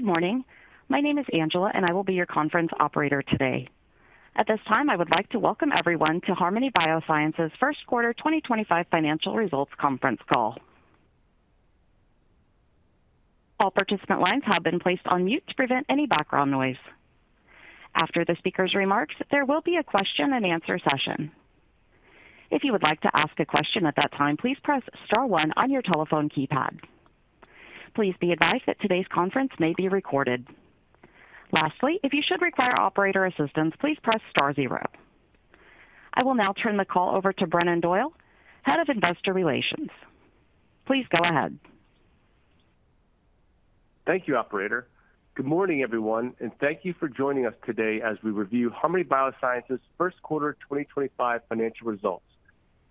Good morning. My name is Angela, and I will be your conference operator today. At this time, I would like to welcome everyone to Harmony Biosciences' first quarter 2025 financial results conference call. All participant lines have been placed on mute to prevent any background noise. After the speaker's remarks, there will be a question-and-answer session. If you would like to ask a question at that time, please press star one on your telephone keypad. Please be advised that today's conference may be recorded. Lastly, if you should require operator assistance, please press star zero. I will now turn the call over to Brennan Doyle, Head of Investor Relations. Please go ahead. Thank you, operator. Good morning, everyone, and thank you for joining us today as we review Harmony Biosciences' first quarter 2025 financial results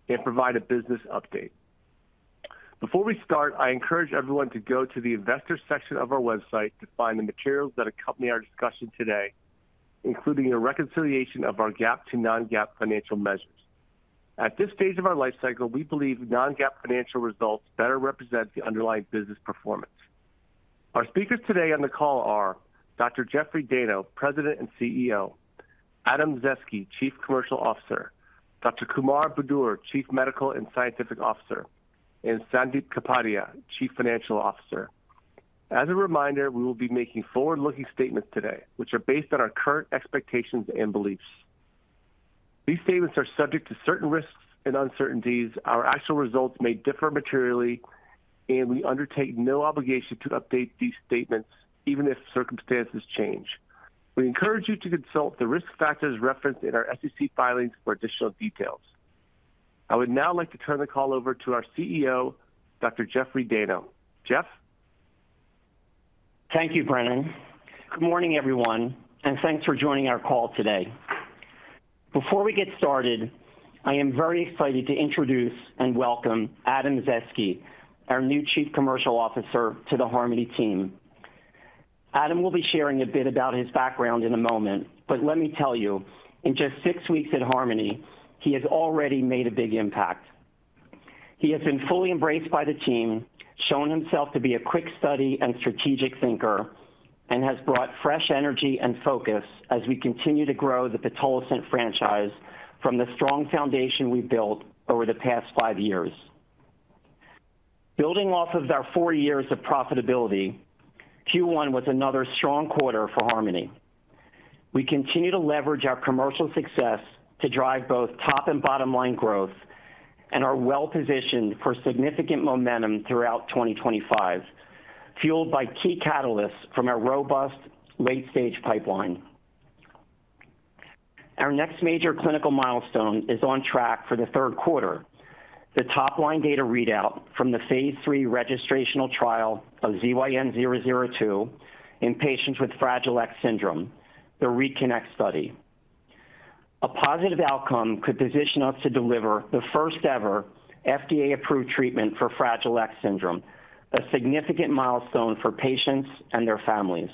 and provide a business update. Before we start, I encourage everyone to go to the Investor section of our website to find the materials that accompany our discussion today, including a reconciliation of our GAAP-to-non-GAAP financial measures. At this stage of our life cycle, we believe non-GAAP financial results better represent the underlying business performance. Our speakers today on the call are Dr. Jeffrey Dayno, President and CEO, Adam Zaeske, Chief Commercial Officer, Dr. Kumar Budur, Chief Medical and Scientific Officer, and Sandip Kapadia, Chief Financial Officer. As a reminder, we will be making forward-looking statements today, which are based on our current expectations and beliefs. These statements are subject to certain risks and uncertainties. Our actual results may differ materially, and we undertake no obligation to update these statements, even if circumstances change. We encourage you to consult the risk factors referenced in our SEC filings for additional details. I would now like to turn the call over to our CEO, Dr. Jeffrey Dayno. Jeff? Thank you, Brennan. Good morning, everyone, and thanks for joining our call today. Before we get started, I am very excited to introduce and welcome Adam Zaeske, our new Chief Commercial Officer, to the Harmony team. Adam will be sharing a bit about his background in a moment, but let me tell you, in just six weeks at Harmony, he has already made a big impact. He has been fully embraced by the team, shown himself to be a quick study and strategic thinker, and has brought fresh energy and focus as we continue to grow the Pitolisant franchise from the strong foundation we've built over the past five years. Building off of our four years of profitability, Q1 was another strong quarter for Harmony. We continue to leverage our commercial success to drive both top and bottom-line growth and are well-positioned for significant momentum throughout 2025, fueled by key catalysts from our robust late-stage pipeline. Our next major clinical milestone is on track for the third quarter: the top-line data readout from the Phase III registrational trial of ZYN-002 in patients with Fragile X syndrome, the RECONNECT study. A positive outcome could position us to deliver the first-ever FDA-approved treatment for Fragile X syndrome, a significant milestone for patients and their families.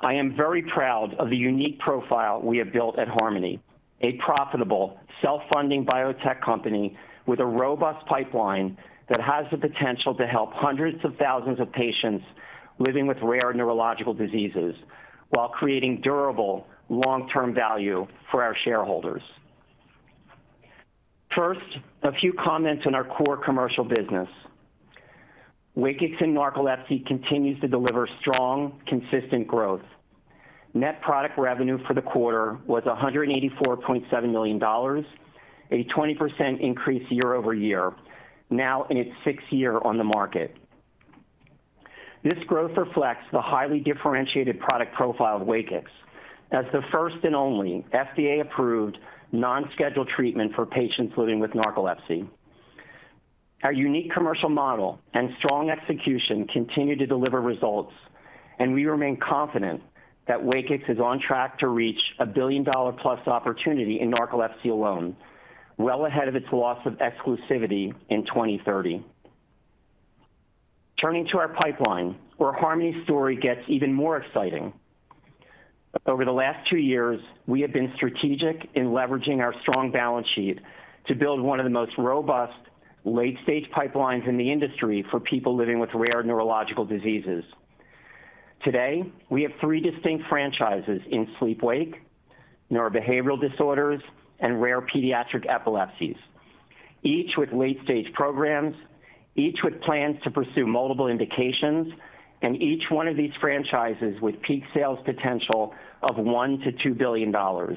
I am very proud of the unique profile we have built at Harmony, a profitable, self-funding biotech company with a robust pipeline that has the potential to help hundreds of thousands of patients living with rare neurological diseases while creating durable, long-term value for our shareholders. First, a few comments on our core commercial business. in narcolepsy continues to deliver strong, consistent growth. Net product revenue for the quarter was $184.7 million, a 20% increase year-over-year, now in its sixth year on the market. This growth reflects the highly differentiated product profile of WAKIX as the first and only FDA-approved non-scheduled treatment for patients living with narcolepsy. Our unique commercial model and strong execution continue to deliver results, and we remain confident that WAKIX is on track to reach a billion-dollar-plus opportunity in narcolepsy alone, well ahead of its loss of exclusivity in 2030. Turning to our pipeline, where Harmony's story gets even more exciting. Over the last two years, we have been strategic in leveraging our strong balance sheet to build one of the most robust late-stage pipelines in the industry for people living with rare neurological diseases. Today, we have three distinct franchises in sleep-wake, neurobehavioral disorders, and rare pediatric epilepsies, each with late-stage programs, each with plans to pursue multiple indications, and each one of these franchises with peak sales potential of $1 billion-$2 billion. Our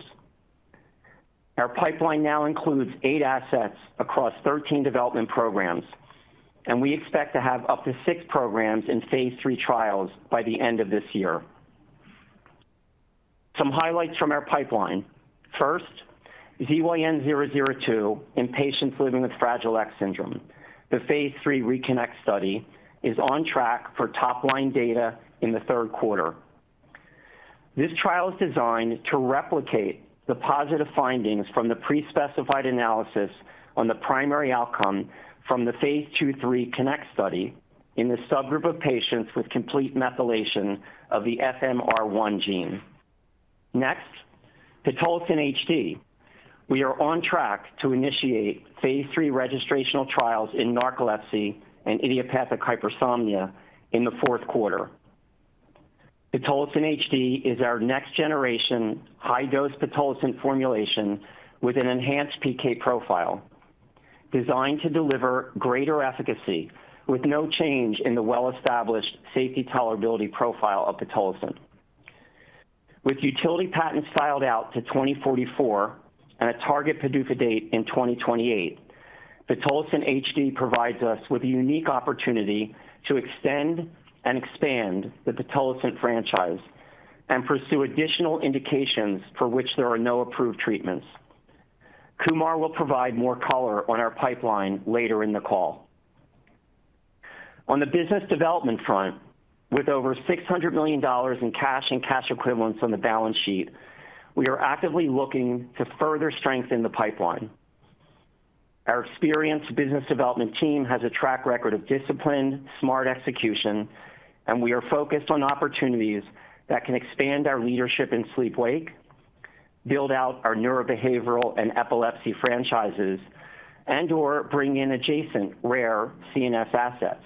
pipeline now includes eight assets across 13 development programs, and we expect to have up to six programs in Phase III trials by the end of this year. Some highlights from our pipeline. First, ZYN002 in patients living with Fragile X syndrome. The Phase III RECONNECT study is on track for top-line data in the third quarter. This trial is designed to replicate the positive findings from the pre-specified analysis on the primary outcome from the Phase II-Phase III RECONNECT study in the subgroup of patients with complete methylation of the FMR1 gene. Next, Pitolisant HD. We are on track to initiate Phase III registrational trials in narcolepsy and idiopathic hypersomnia in the fourth quarter. Pitolisant HD is our next-generation high-dose pitolisant formulation with an enhanced PK profile, designed to deliver greater efficacy with no change in the well-established safety tolerability profile of pitolisant. With utility patents filed out to 2044 and a target PDUFA date in 2028, pitolisant HD provides us with a unique opportunity to extend and expand the pitolisant franchise and pursue additional indications for which there are no approved treatments. Kumar will provide more color on our pipeline later in the call. On the business development front, with over $600 million in cash and cash equivalents on the balance sheet, we are actively looking to further strengthen the pipeline. Our experienced business development team has a track record of discipline, smart execution, and we are focused on opportunities that can expand our leadership in sleep-wake, build out our neurobehavioral and epilepsy franchises, and/or bring in adjacent rare CNS assets.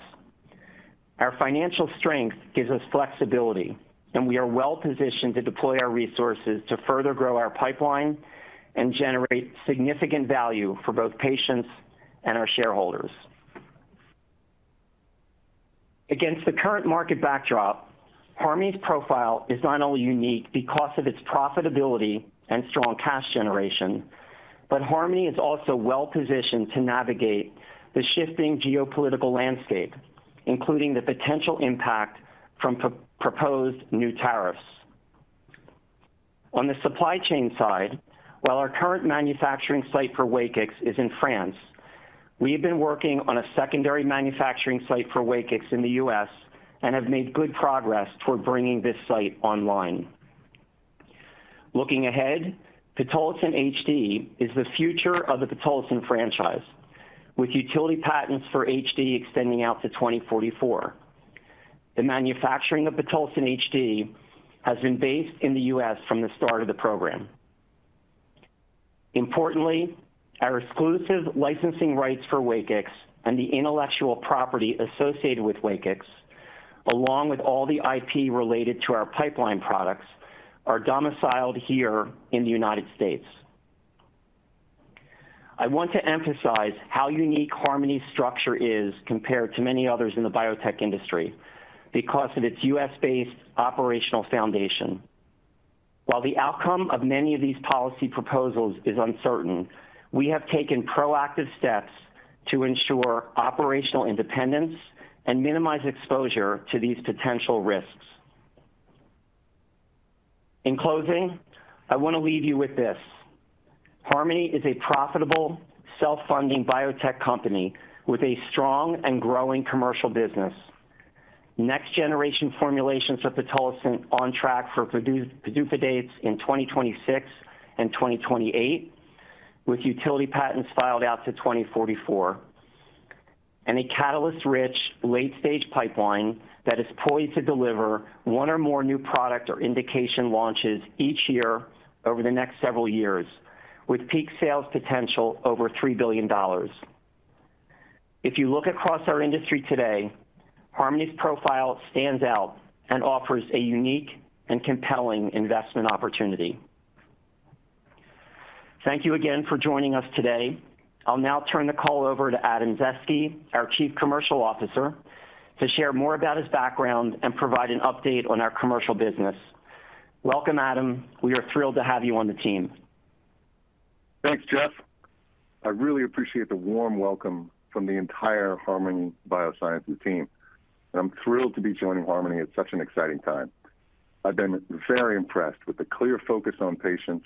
Our financial strength gives us flexibility, and we are well-positioned to deploy our resources to further grow our pipeline and generate significant value for both patients and our shareholders. Against the current market backdrop, Harmony's profile is not only unique because of its profitability and strong cash generation, but Harmony is also well-positioned to navigate the shifting geopolitical landscape, including the potential impact from proposed new tariffs. On the supply chain side, while our current manufacturing site for WAKIX is in France, we have been working on a secondary manufacturing site for WAKIX in the U.S. and have made good progress toward bringing this site online. Looking ahead, Pitolisant HD is the future of the Pitolisant franchise, with utility patents for HD extending out to 2044. The manufacturing of Pitolisant HD has been based in the U.S. from the start of the program. Importantly, our exclusive licensing rights for WAKIX and the intellectual property associated with WAKIX, along with all the IP related to our pipeline products, are domiciled here in the United States. I want to emphasize how unique Harmony's structure is compared to many others in the biotech industry because of its U.S.-based operational foundation. While the outcome of many of these policy proposals is uncertain, we have taken proactive steps to ensure operational independence and minimize exposure to these potential risks. In closing, I want to leave you with this: Harmony is a profitable, self-funding biotech company with a strong and growing commercial business, next-generation formulations of pitolisant on track for PDUFA dates in 2026 and 2028, with utility patents filed out to 2044, and a catalyst-rich late-stage pipeline that is poised to deliver one or more new product or indication launches each year over the next several years, with peak sales potential over $3 billion. If you look across our industry today, Harmony's profile stands out and offers a unique and compelling investment opportunity. Thank you again for joining us today. I'll now turn the call over to Adam Zaeske, our Chief Commercial Officer, to share more about his background and provide an update on our commercial business. Welcome, Adam. We are thrilled to have you on the team. Thanks, Jeff. I really appreciate the warm welcome from the entire Harmony Biosciences team. I'm thrilled to be joining Harmony at such an exciting time. I've been very impressed with the clear focus on patients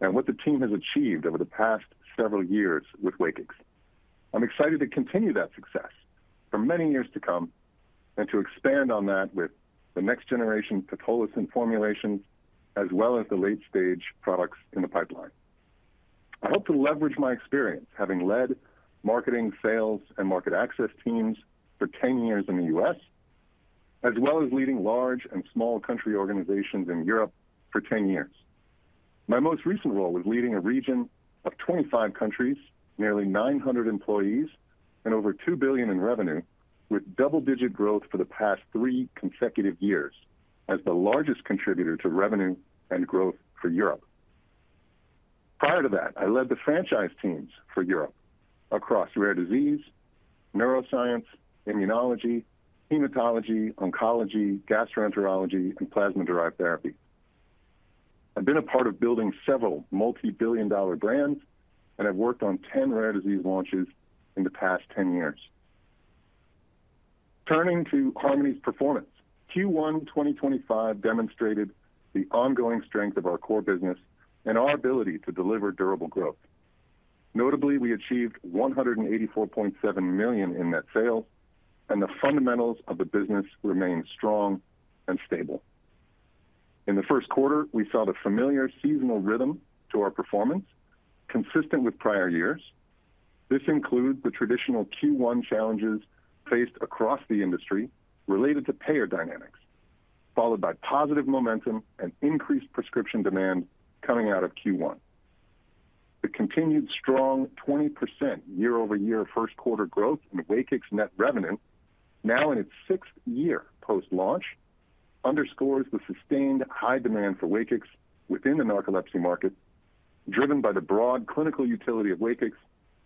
and what the team has achieved over the past several years with WAKIX. I'm excited to continue that success for many years to come and to expand on that with the next-generation pitolisant formulations, as well as the late-stage products in the pipeline. I hope to leverage my experience having led marketing, sales, and market access teams for 10 years in the U.S., as well as leading large and small country organizations in Europe for 10 years. My most recent role was leading a region of 25 countries, nearly 900 employees, and over $2 billion in revenue, with double-digit growth for the past three consecutive years as the largest contributor to revenue and growth for Europe. Prior to that, I led the franchise teams for Europe across rare disease, neuroscience, immunology, hematology, oncology, gastroenterology, and plasma-derived therapy. I've been a part of building several multi-billion dollar brands, and I've worked on 10 rare disease launches in the past 10 years. Turning to Harmony's performance, Q1 2025 demonstrated the ongoing strength of our core business and our ability to deliver durable growth. Notably, we achieved $184.7 million in net sales, and the fundamentals of the business remain strong and stable. In the first quarter, we saw the familiar seasonal rhythm to our performance, consistent with prior years. This includes the traditional Q1 challenges faced across the industry related to payer dynamics, followed by positive momentum and increased prescription demand coming out of Q1. The continued strong 20% year-over-year first quarter growth in WAKIX's net revenue, now in its sixth year post-launch, underscores the sustained high demand for WAKIX within the narcolepsy market, driven by the broad clinical utility of WAKIX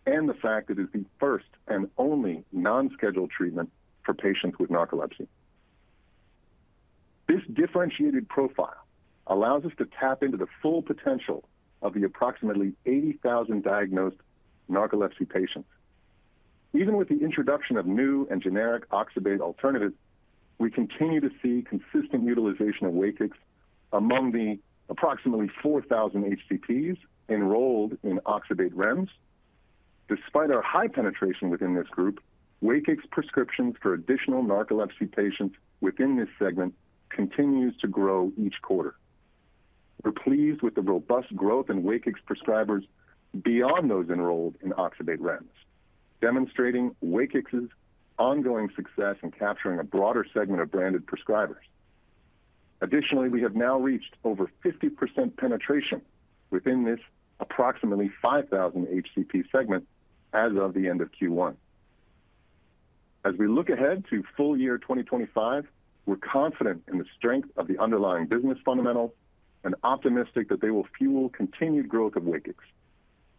and the fact it is the first and only non-scheduled treatment for patients with narcolepsy. This differentiated profile allows us to tap into the full potential of the approximately 80,000 diagnosed narcolepsy patients. Even with the introduction of new and generic oxybate alternatives, we continue to see consistent utilization of WAKIX among the approximately 4,000 HCPs enrolled in oxybate REMS. Despite our high penetration within this group, WAKIX's prescriptions for additional narcolepsy patients within this segment continue to grow each quarter. We're pleased with the robust growth in WAKIX prescribers beyond those enrolled in oxybate REMS, demonstrating WAKIX's ongoing success in capturing a broader segment of branded prescribers. Additionally, we have now reached over 50% penetration within this approximately 5,000 HCP segment as of the end of Q1. As we look ahead to full year 2025, we're confident in the strength of the underlying business fundamentals and optimistic that they will fuel continued growth of WAKIX.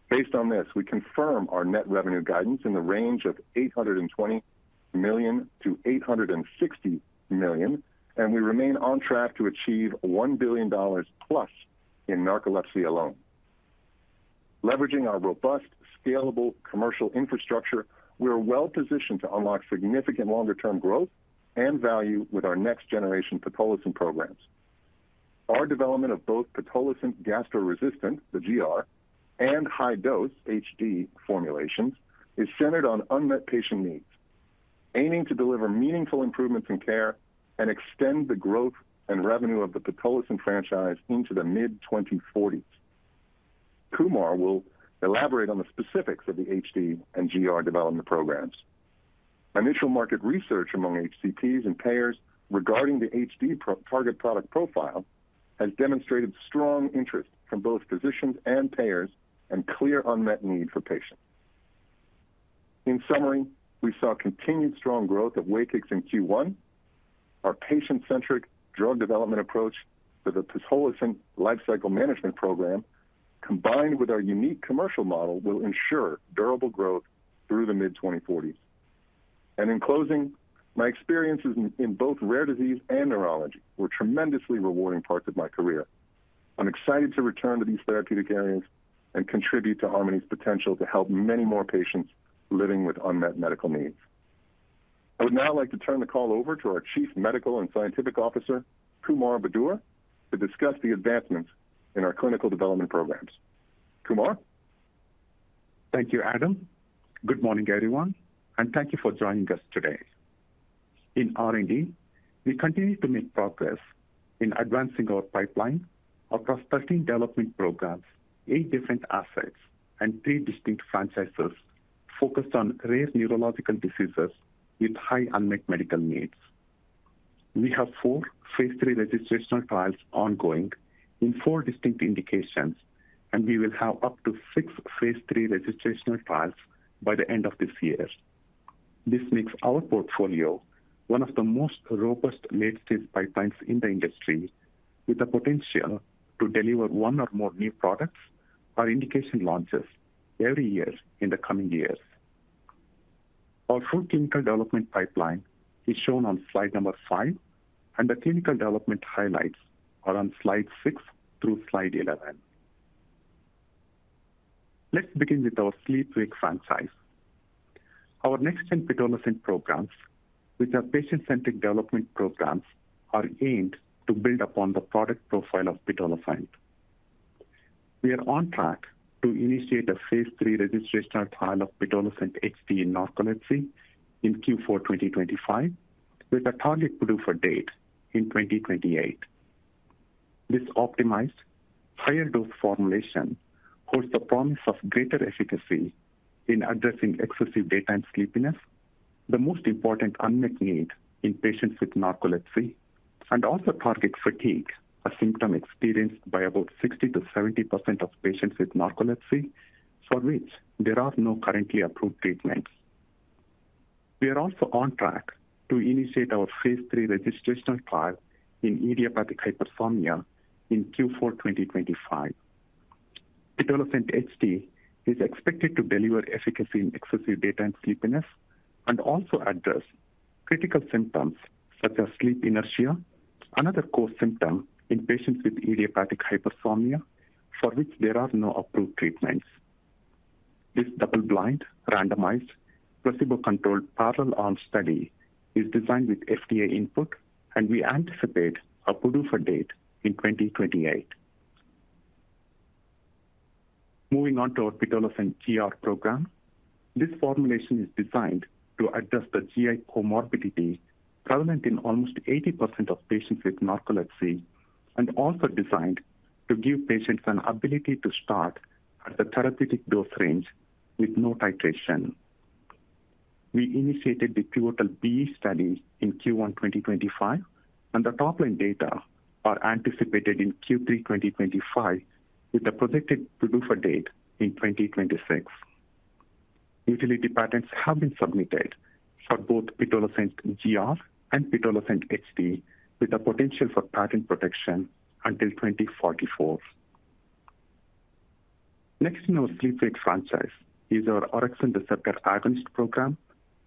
Based on this, we confirm our net revenue guidance in the range of $820 million-$860 million, and we remain on track to achieve $1+ billion in narcolepsy alone. Leveraging our robust, scalable commercial infrastructure, we are well-positioned to unlock significant longer-term growth and value with our next-generation pitolisant programs. Our development of both Pitolisant GR, the GR, and high-dose HD formulations is centered on unmet patient needs, aiming to deliver meaningful improvements in care and extend the growth and revenue of the Pitolisant franchise into the mid-2040s. Kumar will elaborate on the specifics of the HD and GR development programs. Initial market research among HCPs and payers regarding the HD target product profile has demonstrated strong interest from both physicians and payers and clear unmet need for patients. In summary, we saw continued strong growth of WAKIX in Q1. Our patient-centric drug development approach for the Pitolisant lifecycle management program, combined with our unique commercial model, will ensure durable growth through the mid-2040s. My experiences in both rare disease and neurology were tremendously rewarding parts of my career. I'm excited to return to these therapeutic areas and contribute to Harmony's potential to help many more patients living with unmet medical needs. I would now like to turn the call over to our Chief Medical and Scientific Officer, Kumar Budur, to discuss the advancements in our clinical development programs. Kumar. Thank you, Adam. Good morning, everyone, and thank you for joining us today. In R&D, we continue to make progress in advancing our pipeline across 13 development programs, eight different assets, and three distinct franchises focused on rare neurological diseases with high unmet medical needs. We have four Phase III registrational trials ongoing in four distinct indications, and we will have up to six Phase III registrational trials by the end of this year. This makes our portfolio one of the most robust late-stage pipelines in the industry, with the potential to deliver one or more new products or indication launches every year in the coming years. Our full clinical development pipeline is shown on slide number five, and the clinical development highlights are on slide six through slide 11. Let's begin with our Sleep-Wake franchise. Our next-gen Pitolisant programs, which are patient-centric development programs, are aimed to build upon the product profile of Pitolisant. We are on track to initiate a Phase III registrational trial of Pitolisant HD in narcolepsy in Q4 2025, with a target PDUFA date in 2028. This optimized, higher-dose formulation holds the promise of greater efficacy in addressing excessive daytime sleepiness, the most important unmet need in patients with narcolepsy, and also targets fatigue, a symptom experienced by about 60%-70% of patients with narcolepsy, for which there are no currently approved treatments. We are also on track to initiate our Phase III registrational trial in idiopathic hypersomnia in Q4 2025. Pitolisant HD is expected to deliver efficacy in excessive daytime sleepiness and also address critical symptoms such as sleep inertia, another core symptom in patients with idiopathic hypersomnia, for which there are no approved treatments. This double-blind, randomized, placebo-controlled parallel arm study is designed with FDA input, and we anticipate a PDUFA date in 2028. Moving on to our Pitolisant GR program, this formulation is designed to address the GI comorbidity prevalent in almost 80% of patients with narcolepsy and also designed to give patients an ability to start at the therapeutic dose range with no titration. We initiated the pivotal B study in Q1 2025, and the top-line data are anticipated in Q3 2025, with the projected PDUFA date in 2026. Utility patents have been submitted for both Pitolisant GR and Pitolisant HD, with the potential for patent protection until 2044. Next in our Sleep-Wake franchise is our orexin receptor agonist program,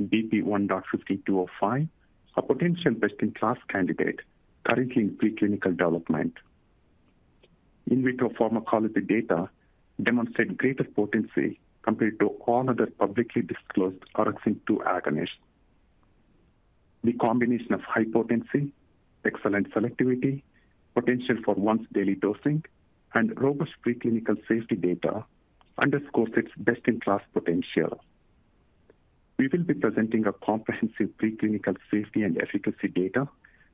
BP1.5205, a potential best-in-class candidate currently in preclinical development. In vitro pharmacology data demonstrate greater potency compared to all other publicly disclosed orexin-2 agonists. The combination of high potency, excellent selectivity, potential for once-daily dosing, and robust preclinical safety data underscores its best-in-class potential. We will be presenting comprehensive preclinical safety and efficacy data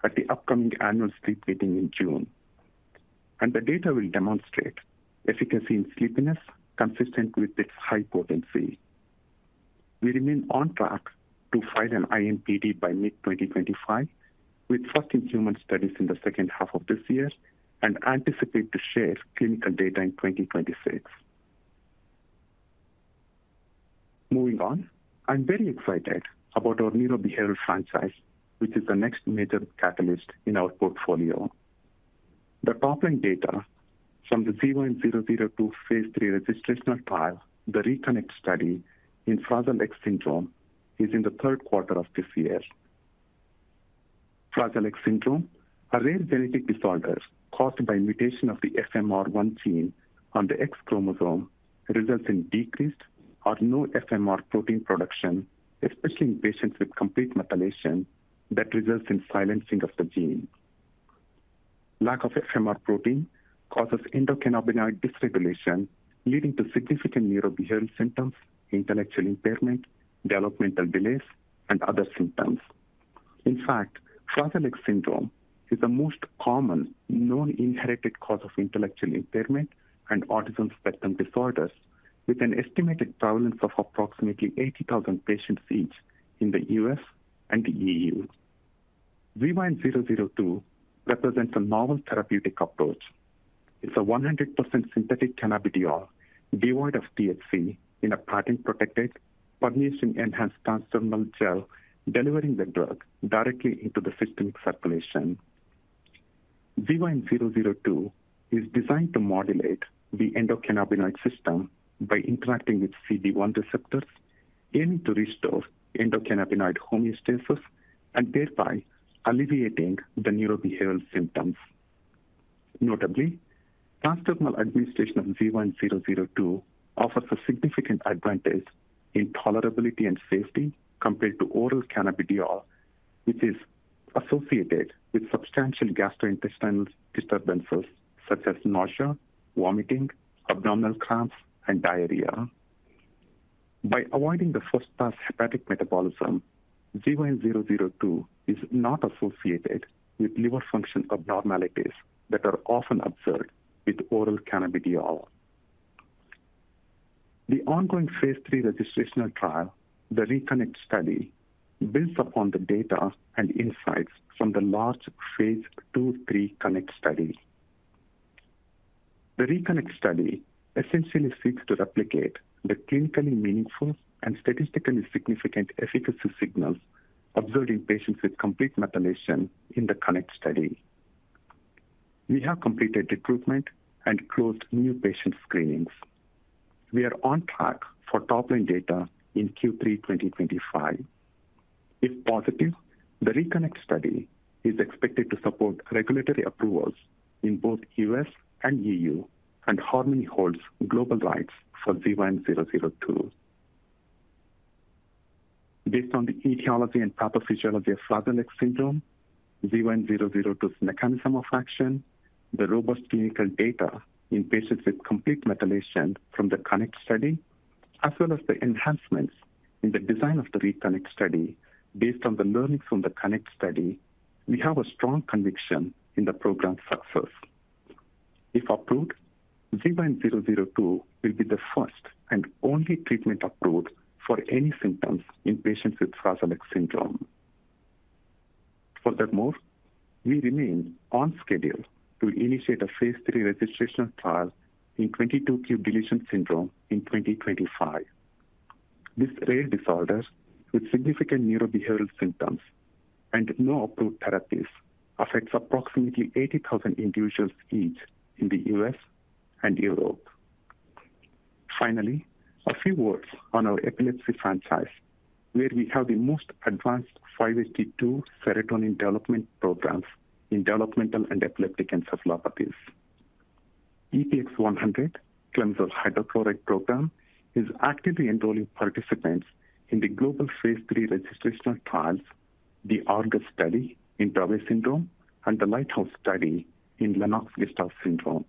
at the upcoming annual sleep meeting in June, and the data will demonstrate efficacy in sleepiness consistent with its high potency. We remain on track to file an IND by mid-2025, with first-in-human studies in the second half of this year, and anticipate to share clinical data in 2026. Moving on, I'm very excited about our neurobehavioral franchise, which is the next major catalyst in our portfolio. The top-line data from the ZYN002 Phase III registrational trial, the RECONNECT study in Fragile X syndrome, is in the third quarter of this year. Fragile X syndrome, a rare genetic disorder caused by mutation of the FMR1 gene on the X chromosome, results in decreased or no FMR protein production, especially in patients with complete methylation that results in silencing of the gene. Lack of FMR protein causes endocannabinoid dysregulation, leading to significant neurobehavioral symptoms, intellectual impairment, developmental delays, and other symptoms. In fact, Fragile X syndrome is the most common known inherited cause of intellectual impairment and autism spectrum disorders, with an estimated prevalence of approximately 80,000 patients each in the U.S. and the EU. ZYN002 represents a novel therapeutic approach. It's a 100% synthetic cannabidiol devoid of THC in a patent-protected, permeation-enhanced transdermal gel delivering the drug directly into the systemic circulation. ZYN002 is designed to modulate the endocannabinoid system by interacting with CB1 receptors, aiming to restore endocannabinoid homeostasis and thereby alleviating the neurobehavioral symptoms. Notably, transdermal administration of ZYN002 offers a significant advantage in tolerability and safety compared to oral cannabidiol, which is associated with substantial gastrointestinal disturbances such as nausea, vomiting, abdominal cramps, and diarrhea. By avoiding the first-pass hepatic metabolism, ZYN002 is not associated with liver function abnormalities that are often observed with oral cannabidiol. The ongoing Phase III registrational trial, the RECONNECT study, builds upon the data and insights from the large Phase II-Phase III CONNECT study. The RECONNECT study essentially seeks to replicate the clinically meaningful and statistically significant efficacy signals observed in patients with complete methylation in the CONNECT study. We have completed recruitment and closed new patient screenings. We are on track for top-line data in Q3 2025. If positive, the RECONNECT study is expected to support regulatory approvals in both U.S. and EU, and Harmony holds global rights for ZYN002. Based on the etiology and pathophysiology of Fragile X syndrome, ZYN002's mechanism of action, the robust clinical data in patients with complete methylation from the CONNECT study, as well as the enhancements in the design of the RECONNECT study based on the learnings from the CONNECT study, we have a strong conviction in the program's success. If approved, ZYN002 will be the first and only treatment approved for any symptoms in patients with Fragile X syndrome. Furthermore, we remain on schedule to initiate a Phase III registrational trial in 22q11.2 deletion syndrome in 2025. This rare disorder, with significant neurobehavioral symptoms and no approved therapies, affects approximately 80,000 individuals each in the U.S. and Europe. Finally, a few words on our epilepsy franchise, where we have the most advanced 5-HT2 serotonin development programs in developmental and epileptic encephalopathies. EPX-100, clemizole hydrochloride program, is actively enrolling participants in the global Phase III registrational trials, the Argus study in Dravet syndrome and the Lighthouse study in Lennox-Gastaut syndrome.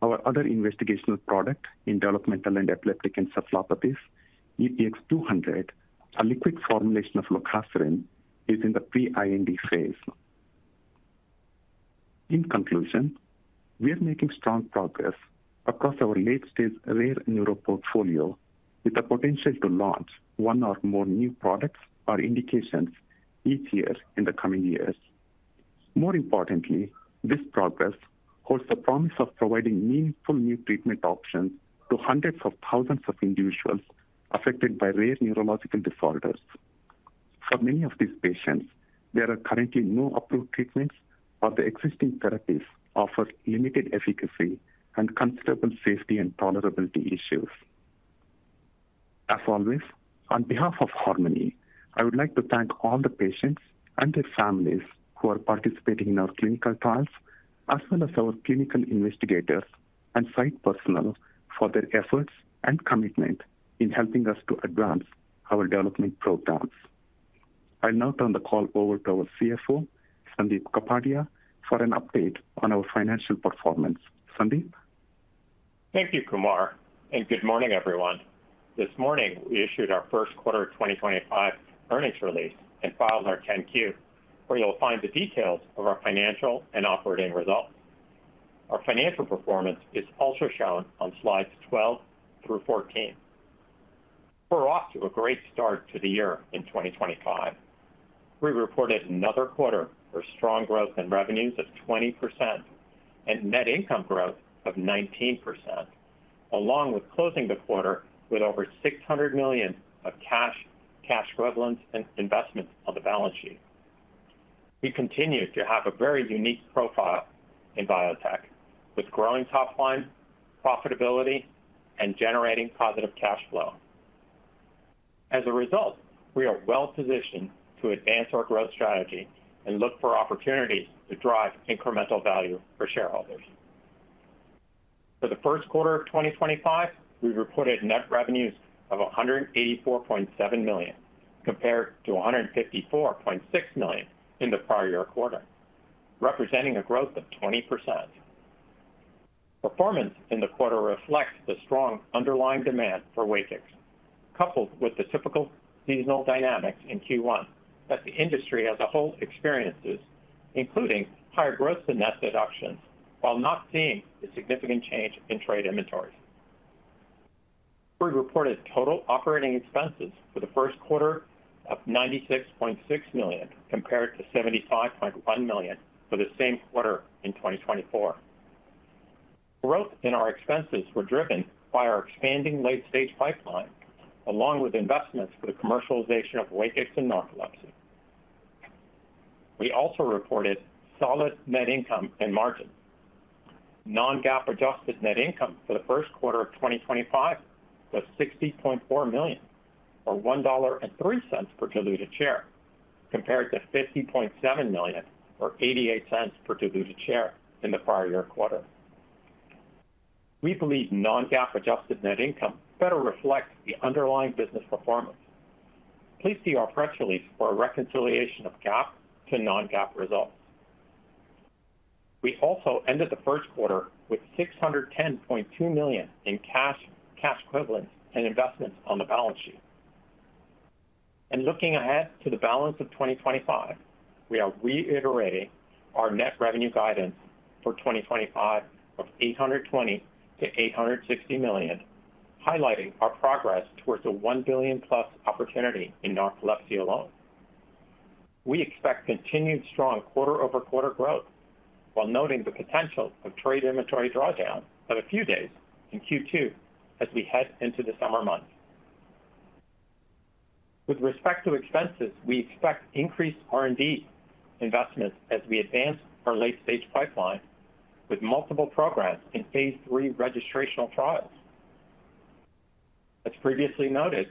Our other investigational product in developmental and epileptic encephalopathies, EPX-200, a liquid formulation of locazepin, is in the pre-IND phase. In conclusion, we are making strong progress across our late-stage rare neuro portfolio, with the potential to launch one or more new products or indications each year in the coming years. More importantly, this progress holds the promise of providing meaningful new treatment options to hundreds of thousands of individuals affected by rare neurological disorders. For many of these patients, there are currently no approved treatments, or the existing therapies offer limited efficacy and considerable safety and tolerability issues. As always, on behalf of Harmony, I would like to thank all the patients and their families who are participating in our clinical trials, as well as our clinical investigators and site personnel for their efforts and commitment in helping us to advance our development programs. I'll now turn the call over to our CFO, Sandip Kapadia, for an update on our financial performance. Sandip? Thank you, Kumar, and good morning, everyone. This morning, we issued our first quarter 2025 earnings release and filed our 10Q, where you'll find the details of our financial and operating results. Our financial performance is also shown on slides 12-14. We're off to a great start to the year in 2025. We reported another quarter for strong growth in revenues of 20% and net income growth of 19%, along with closing the quarter with over $600 million of cash, cash equivalents, and investments on the balance sheet. We continue to have a very unique profile in biotech, with growing top line, profitability, and generating positive cash flow. As a result, we are well positioned to advance our growth strategy and look for opportunities to drive incremental value for shareholders. For the first quarter of 2025, we reported net revenues of $184.7 million compared to $154.6 million in the prior year quarter, representing a growth of 20%. Performance in the quarter reflects the strong underlying demand for WAKIX, coupled with the typical seasonal dynamics in Q1 that the industry as a whole experiences, including higher growth than net deductions, while not seeing a significant change in trade inventories. We reported total operating expenses for the first quarter of $96.6 million compared to $75.1 million for the same quarter in 2024. Growth in our expenses was driven by our expanding late-stage pipeline, along with investments for the commercialization of WAKIX and narcolepsy. We also reported solid net income and margin. Non-GAAP adjusted net income for the first quarter of 2025 was $60.4 million, or $1.03 per diluted share, compared to $50.7 million, or $0.88 per diluted share in the prior year quarter. We believe non-GAAP adjusted net income better reflects the underlying business performance. Please see our press release for a reconciliation of GAAP to non-GAAP results. We also ended the first quarter with $610.2 million in cash, cash equivalents, and investments on the balance sheet. Looking ahead to the balance of 2025, we are reiterating our net revenue guidance for 2025 of $820 million-$860 million, highlighting our progress towards a $1 billion-plus opportunity in narcolepsy alone. We expect continued strong quarter-over-quarter growth, while noting the potential of trade inventory drawdown of a few days in Q2 as we head into the summer months. With respect to expenses, we expect increased R&D investments as we advance our late-stage pipeline with multiple programs in Phase III registrational trials. As previously noted,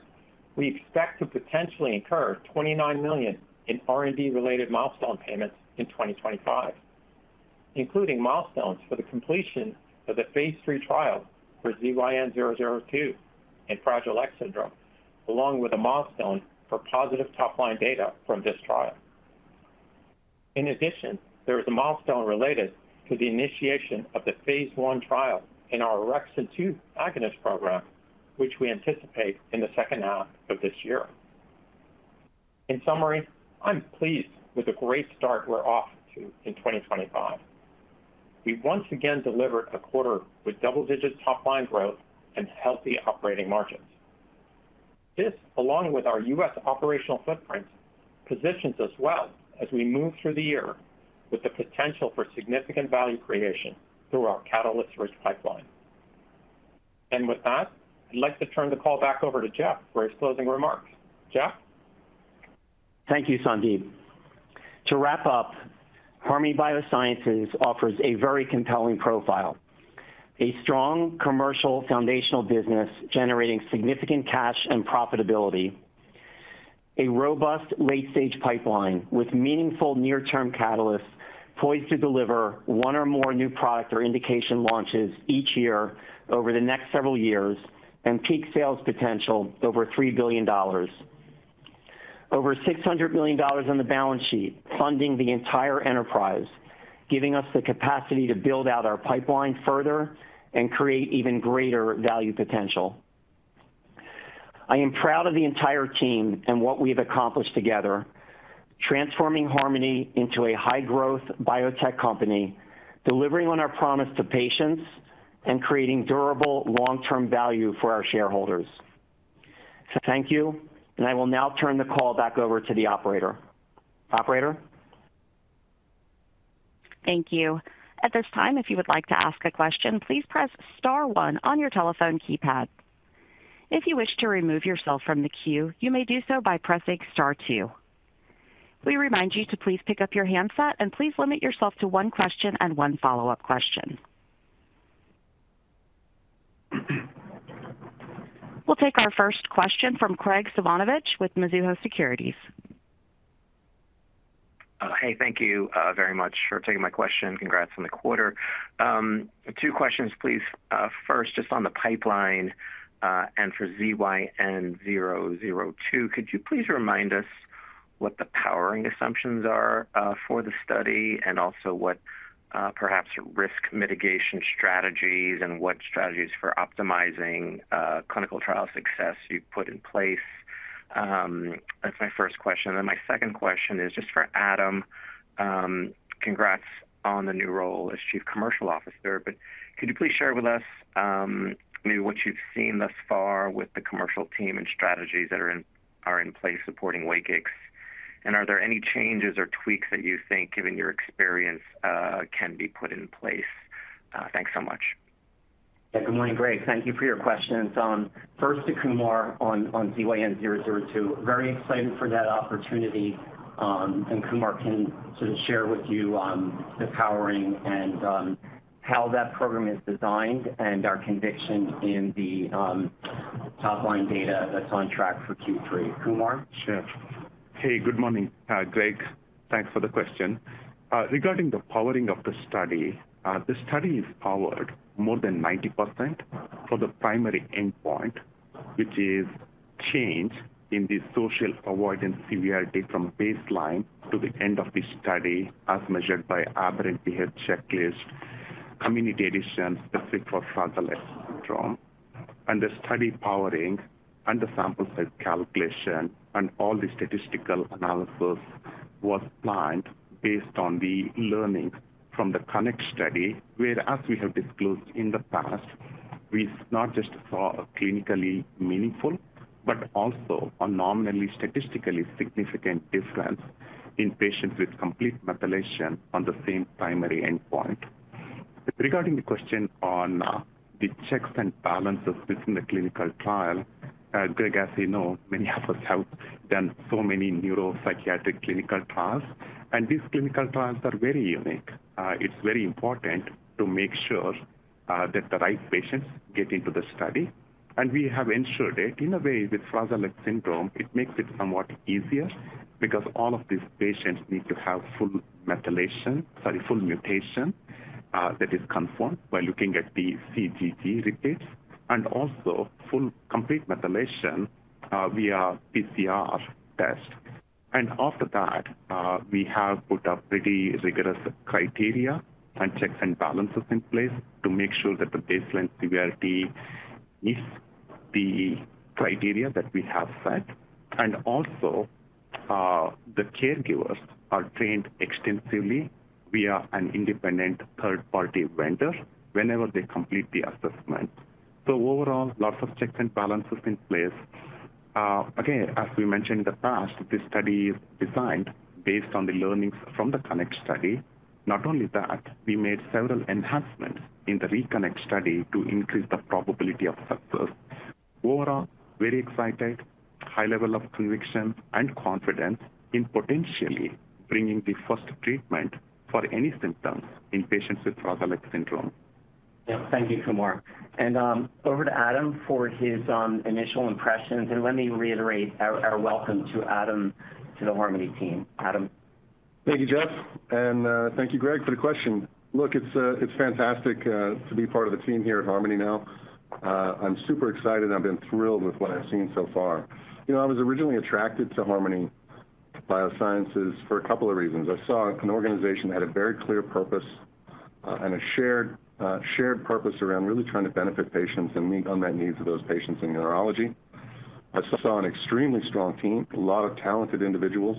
we expect to potentially incur $29 million in R&D-related milestone payments in 2025, including milestones for the completion of the Phase III trial for ZYN002 in Fragile X syndrome, along with a milestone for positive top-line data from this trial. In addition, there is a milestone related to the initiation of the Phase I trial in our orexin-2 agonist program, which we anticipate in the second half of this year. In summary, I'm pleased with the great start we're off to in 2025. We once again delivered a quarter with double-digit top-line growth and healthy operating margins. This, along with our U.S. operational footprint, positions us well as we move through the year with the potential for significant value creation through our catalysts-rich pipeline. With that, I'd like to turn the call back over to Jeff for his closing remarks. Jeff? Thank you, Sandip. To wrap up, Harmony Biosciences offers a very compelling profile: a strong commercial foundational business generating significant cash and profitability, a robust late-stage pipeline with meaningful near-term catalysts poised to deliver one or more new product or indication launches each year over the next several years, and peak sales potential over $3 billion. Over $600 million on the balance sheet funding the entire enterprise, giving us the capacity to build out our pipeline further and create even greater value potential. I am proud of the entire team and what we have accomplished together, transforming Harmony into a high-growth biotech company, delivering on our promise to patients, and creating durable long-term value for our shareholders. Thank you, and I will now turn the call back over to the operator. Operator? Thank you. At this time, if you would like to ask a question, please press star one on your telephone keypad. If you wish to remove yourself from the queue, you may do so by pressing star two. We remind you to please pick up your handset and please limit yourself to one question and one follow-up question. We'll take our first question from Graig Suvannavejh with Mizuho Securities. Hey, thank you very much for taking my question. Congrats on the quarter. Two questions, please. First, just on the pipeline and for ZYN002, could you please remind us what the powering assumptions are for the study and also what perhaps risk mitigation strategies and what strategies for optimizing clinical trial success you've put in place? That's my first question. My second question is just for Adam. Congrats on the new role as Chief Commercial Officer, but could you please share with us maybe what you've seen thus far with the commercial team and strategies that are in place supporting WAKIX? Are there any changes or tweaks that you think, given your experience, can be put in place? Thanks so much. Yeah, good morning, Gray. Thank you for your questions. First to Kumar on ZYN002. Very excited for that opportunity. Kumar can sort of share with you the powering and how that program is designed and our conviction in the top-line data that is on track for Q3. Kumar? Sure. Hey, good morning, Greg. Thanks for the question. Regarding the powering of the study, the study is powered more than 90% for the primary endpoint, which is change in the social avoidance severity from baseline to the end of the study as measured by Aberrant Behavior Checklist, community edition specific for Fragile X syndrome. The study powering and the sample size calculation and all the statistical analysis was planned based on the learnings from the CONNECT study, where, as we have disclosed in the past, we not just saw a clinically meaningful, but also a nominally statistically significant difference in patients with complete methylation on the same primary endpoint. Regarding the question on the checks and balances within the clinical trial, Greg, as you know, many of us have done so many neuropsychiatric clinical trials, and these clinical trials are very unique. It's very important to make sure that the right patients get into the study. We have ensured it in a way with Fragile X syndrome. It makes it somewhat easier because all of these patients need to have full mutation that is confirmed by looking at the CGG repeats and also full complete methylation via PCR test. After that, we have put up pretty rigorous criteria and checks and balances in place to make sure that the baseline severity meets the criteria that we have set. Also, the caregivers are trained extensively via an independent third-party vendor whenever they complete the assessment. Overall, lots of checks and balances in place. Again, as we mentioned in the past, this study is designed based on the learnings from the CONNECT study. Not only that, we made several enhancements in the RECONNECT study to increase the probability of success. Overall, very excited, high level of conviction and confidence in potentially bringing the first treatment for any symptoms in patients with Fragile X syndrome. Yeah, thank you, Kumar. Over to Adam for his initial impressions. Let me reiterate our welcome to Adam to the Harmony team. Adam. Thank you, Jeff. Thank you, Greg, for the question. Look, it's fantastic to be part of the team here at Harmony now. I'm super excited. I've been thrilled with what I've seen so far. I was originally attracted to Harmony Biosciences for a couple of reasons. I saw an organization that had a very clear purpose and a shared purpose around really trying to benefit patients and meet unmet needs of those patients in neurology. I saw an extremely strong team, a lot of talented individuals.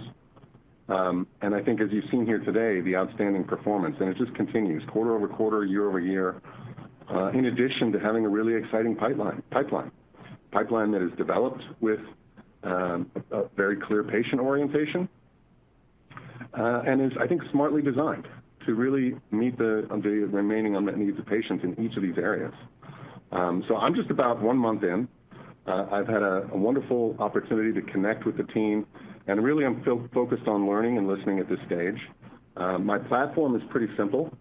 I think, as you've seen here today, the outstanding performance. It just continues quarter over quarter, year-over-year, in addition to having a really exciting pipeline that is developed with a very clear patient orientation and is, I think, smartly designed to really meet the remaining unmet needs of patients in each of these areas. I'm just about one month in. I've had a wonderful opportunity to connect with the team. Really, I'm focused on learning and listening at this stage. My platform is pretty simple.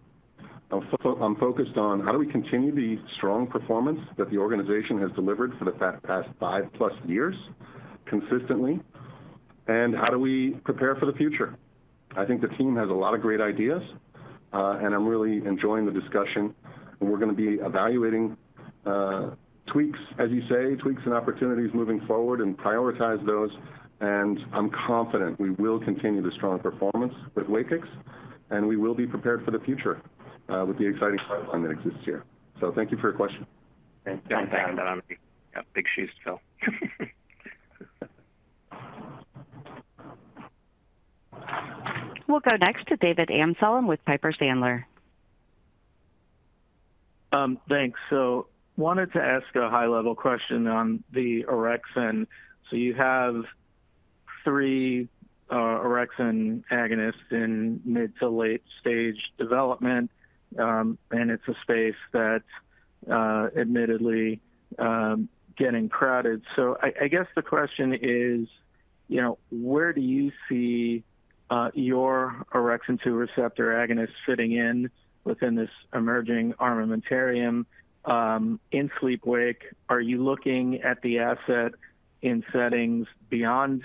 I'm focused on how do we continue the strong performance that the organization has delivered for the past five-plus years consistently, and how do we prepare for the future? I think the team has a lot of great ideas, and I'm really enjoying the discussion. We're going to be evaluating tweaks, as you say, tweaks and opportunities moving forward and prioritize those. I'm confident we will continue the strong performance with WAKIX, and we will be prepared for the future with the exciting pipeline that exists here. Thank you for your question. Thanks, Adam. That'll be big shoes to fill. We'll go next to David Amsellem with Piper Sandler. Thanks. Wanted to ask a high-level question on the orexin. You have three orexin agonists in mid to late-stage development, and it's a space that's admittedly getting crowded. I guess the question is, where do you see your orexin-2 receptor agonist fitting in within this emerging armamentarium in sleep-wake? Are you looking at the asset in settings beyond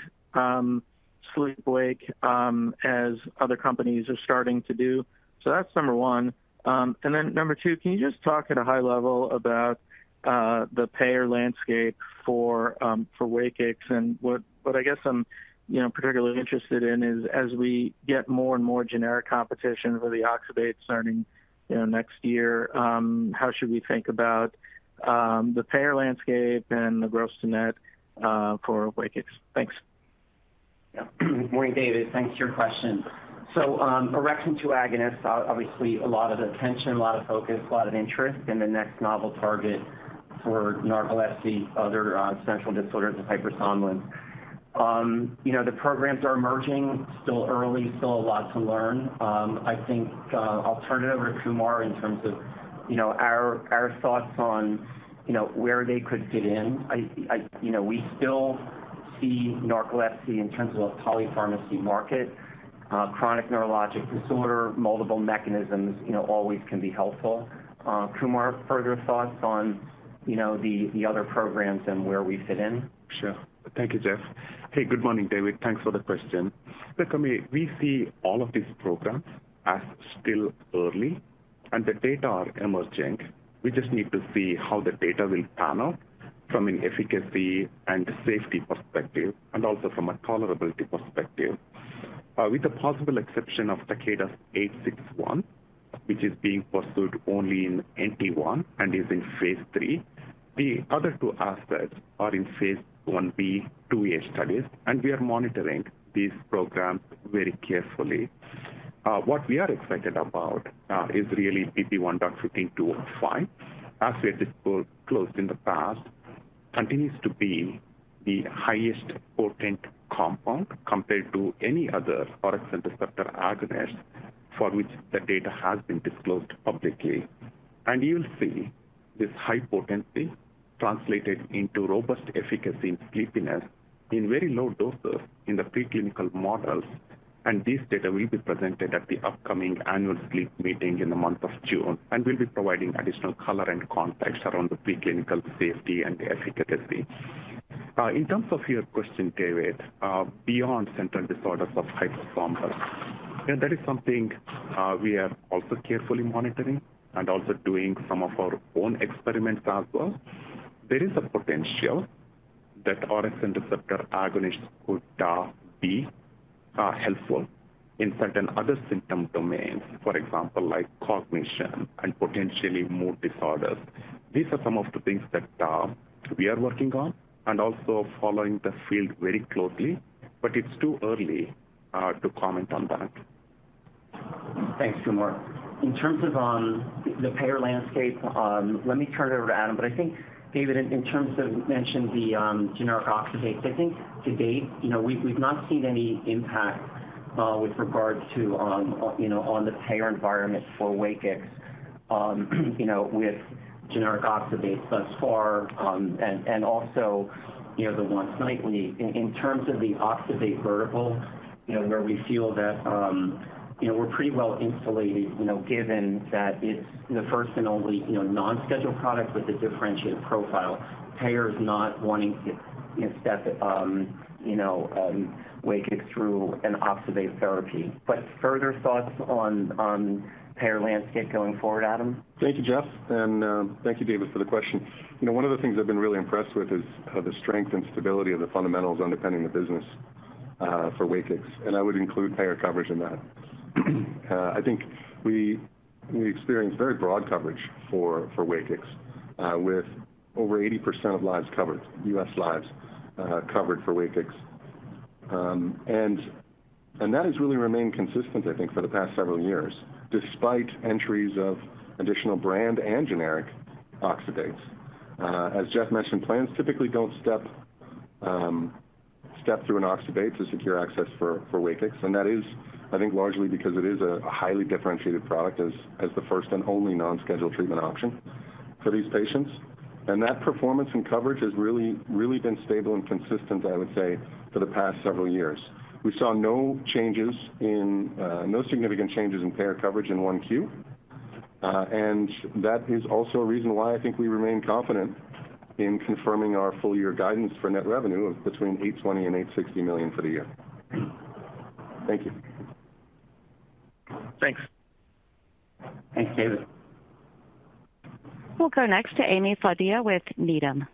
sleep-wake as other companies are starting to do? That's number one. Number two, can you just talk at a high level about the payer landscape for WAKIX? What I'm particularly interested in is, as we get more and more generic competition for the oxybates starting next year, how should we think about the payer landscape and the gross-to-net for WAKIX? Thanks. Yeah. Good morning, David. Thanks for your question. Orexin-2 agonists, obviously, a lot of attention, a lot of focus, a lot of interest in the next novel target for narcolepsy, other central disorders, and hypersomnolence. The programs are emerging. Still early, still a lot to learn. I think I'll turn it over to Kumar in terms of our thoughts on where they could fit in. We still see narcolepsy in terms of a polypharmacy market. Chronic neurologic disorder, multiple mechanisms always can be helpful. Kumar, further thoughts on the other programs and where we fit in? Sure. Thank you, Jeff. Hey, good morning, David. Thanks for the question. Look, I mean, we see all of these programs as still early, and the data are emerging. We just need to see how the data will pan out from an efficacy and safety perspective and also from a tolerability perspective. With the possible exception of Takeda's 861, which is being pursued only in NT1 and is in Phase III, the other two assets are inPhase Ib, IIA studies, and we are monitoring these programs very carefully. What we are excited about is really BP1.5205, as we had disclosed in the past, continues to be the highest potent compound compared to any other orexin receptor agonist for which the data has been disclosed publicly. You will see this high potency translated into robust efficacy in sleepiness in very low doses in the preclinical models. This data will be presented at the upcoming annual sleep meeting in the month of June and will be providing additional color and context around the preclinical safety and efficacy. In terms of your question, David, beyond central disorders of hypersomnolence, that is something we are also carefully monitoring and also doing some of our own experiments as well. There is a potential that orexin receptor agonists could be helpful in certain other symptom domains, for example, like cognition and potentially mood disorders. These are some of the things that we are working on and also following the field very closely, but it's too early to comment on that. Thanks, Kumar. In terms of the payer landscape, let me turn it over to Adam. I think, David, in terms of you mentioned the generic oxybates, I think to date, we've not seen any impact with regard to on the payer environment for WAKIX with generic oxybates thus far and also the once nightly. In terms of the oxybate vertical, we feel that we're pretty well insulated given that it's the first and only non-scheduled product with a differentiated profile, payers not wanting to step WAKIX through an oxybate therapy. Further thoughts on payer landscape going forward, Adam? Thank you, Jeff. Thank you, David, for the question. One of the things I've been really impressed with is the strength and stability of the fundamentals underpinning the business for WAKIX. I would include payer coverage in that. I think we experience very broad coverage for WAKIX with over 80% of U.S. lives covered for WAKIX. That has really remained consistent, I think, for the past several years, despite entries of additional brand and generic oxybates. As Jeff mentioned, plans typically do not step through an oxybate to secure access for WAKIX. That is, I think, largely because it is a highly differentiated product as the first and only non-scheduled treatment option for these patients. That performance and coverage has really been stable and consistent, I would say, for the past several years. We saw no significant changes in payer coverage in one queue. That is also a reason why I think we remain confident in confirming our full-year guidance for net revenue of between $820 million and $860 million for the year. Thank you. Thanks. Thanks, David. We'll go next to Ami Fadia with Needham.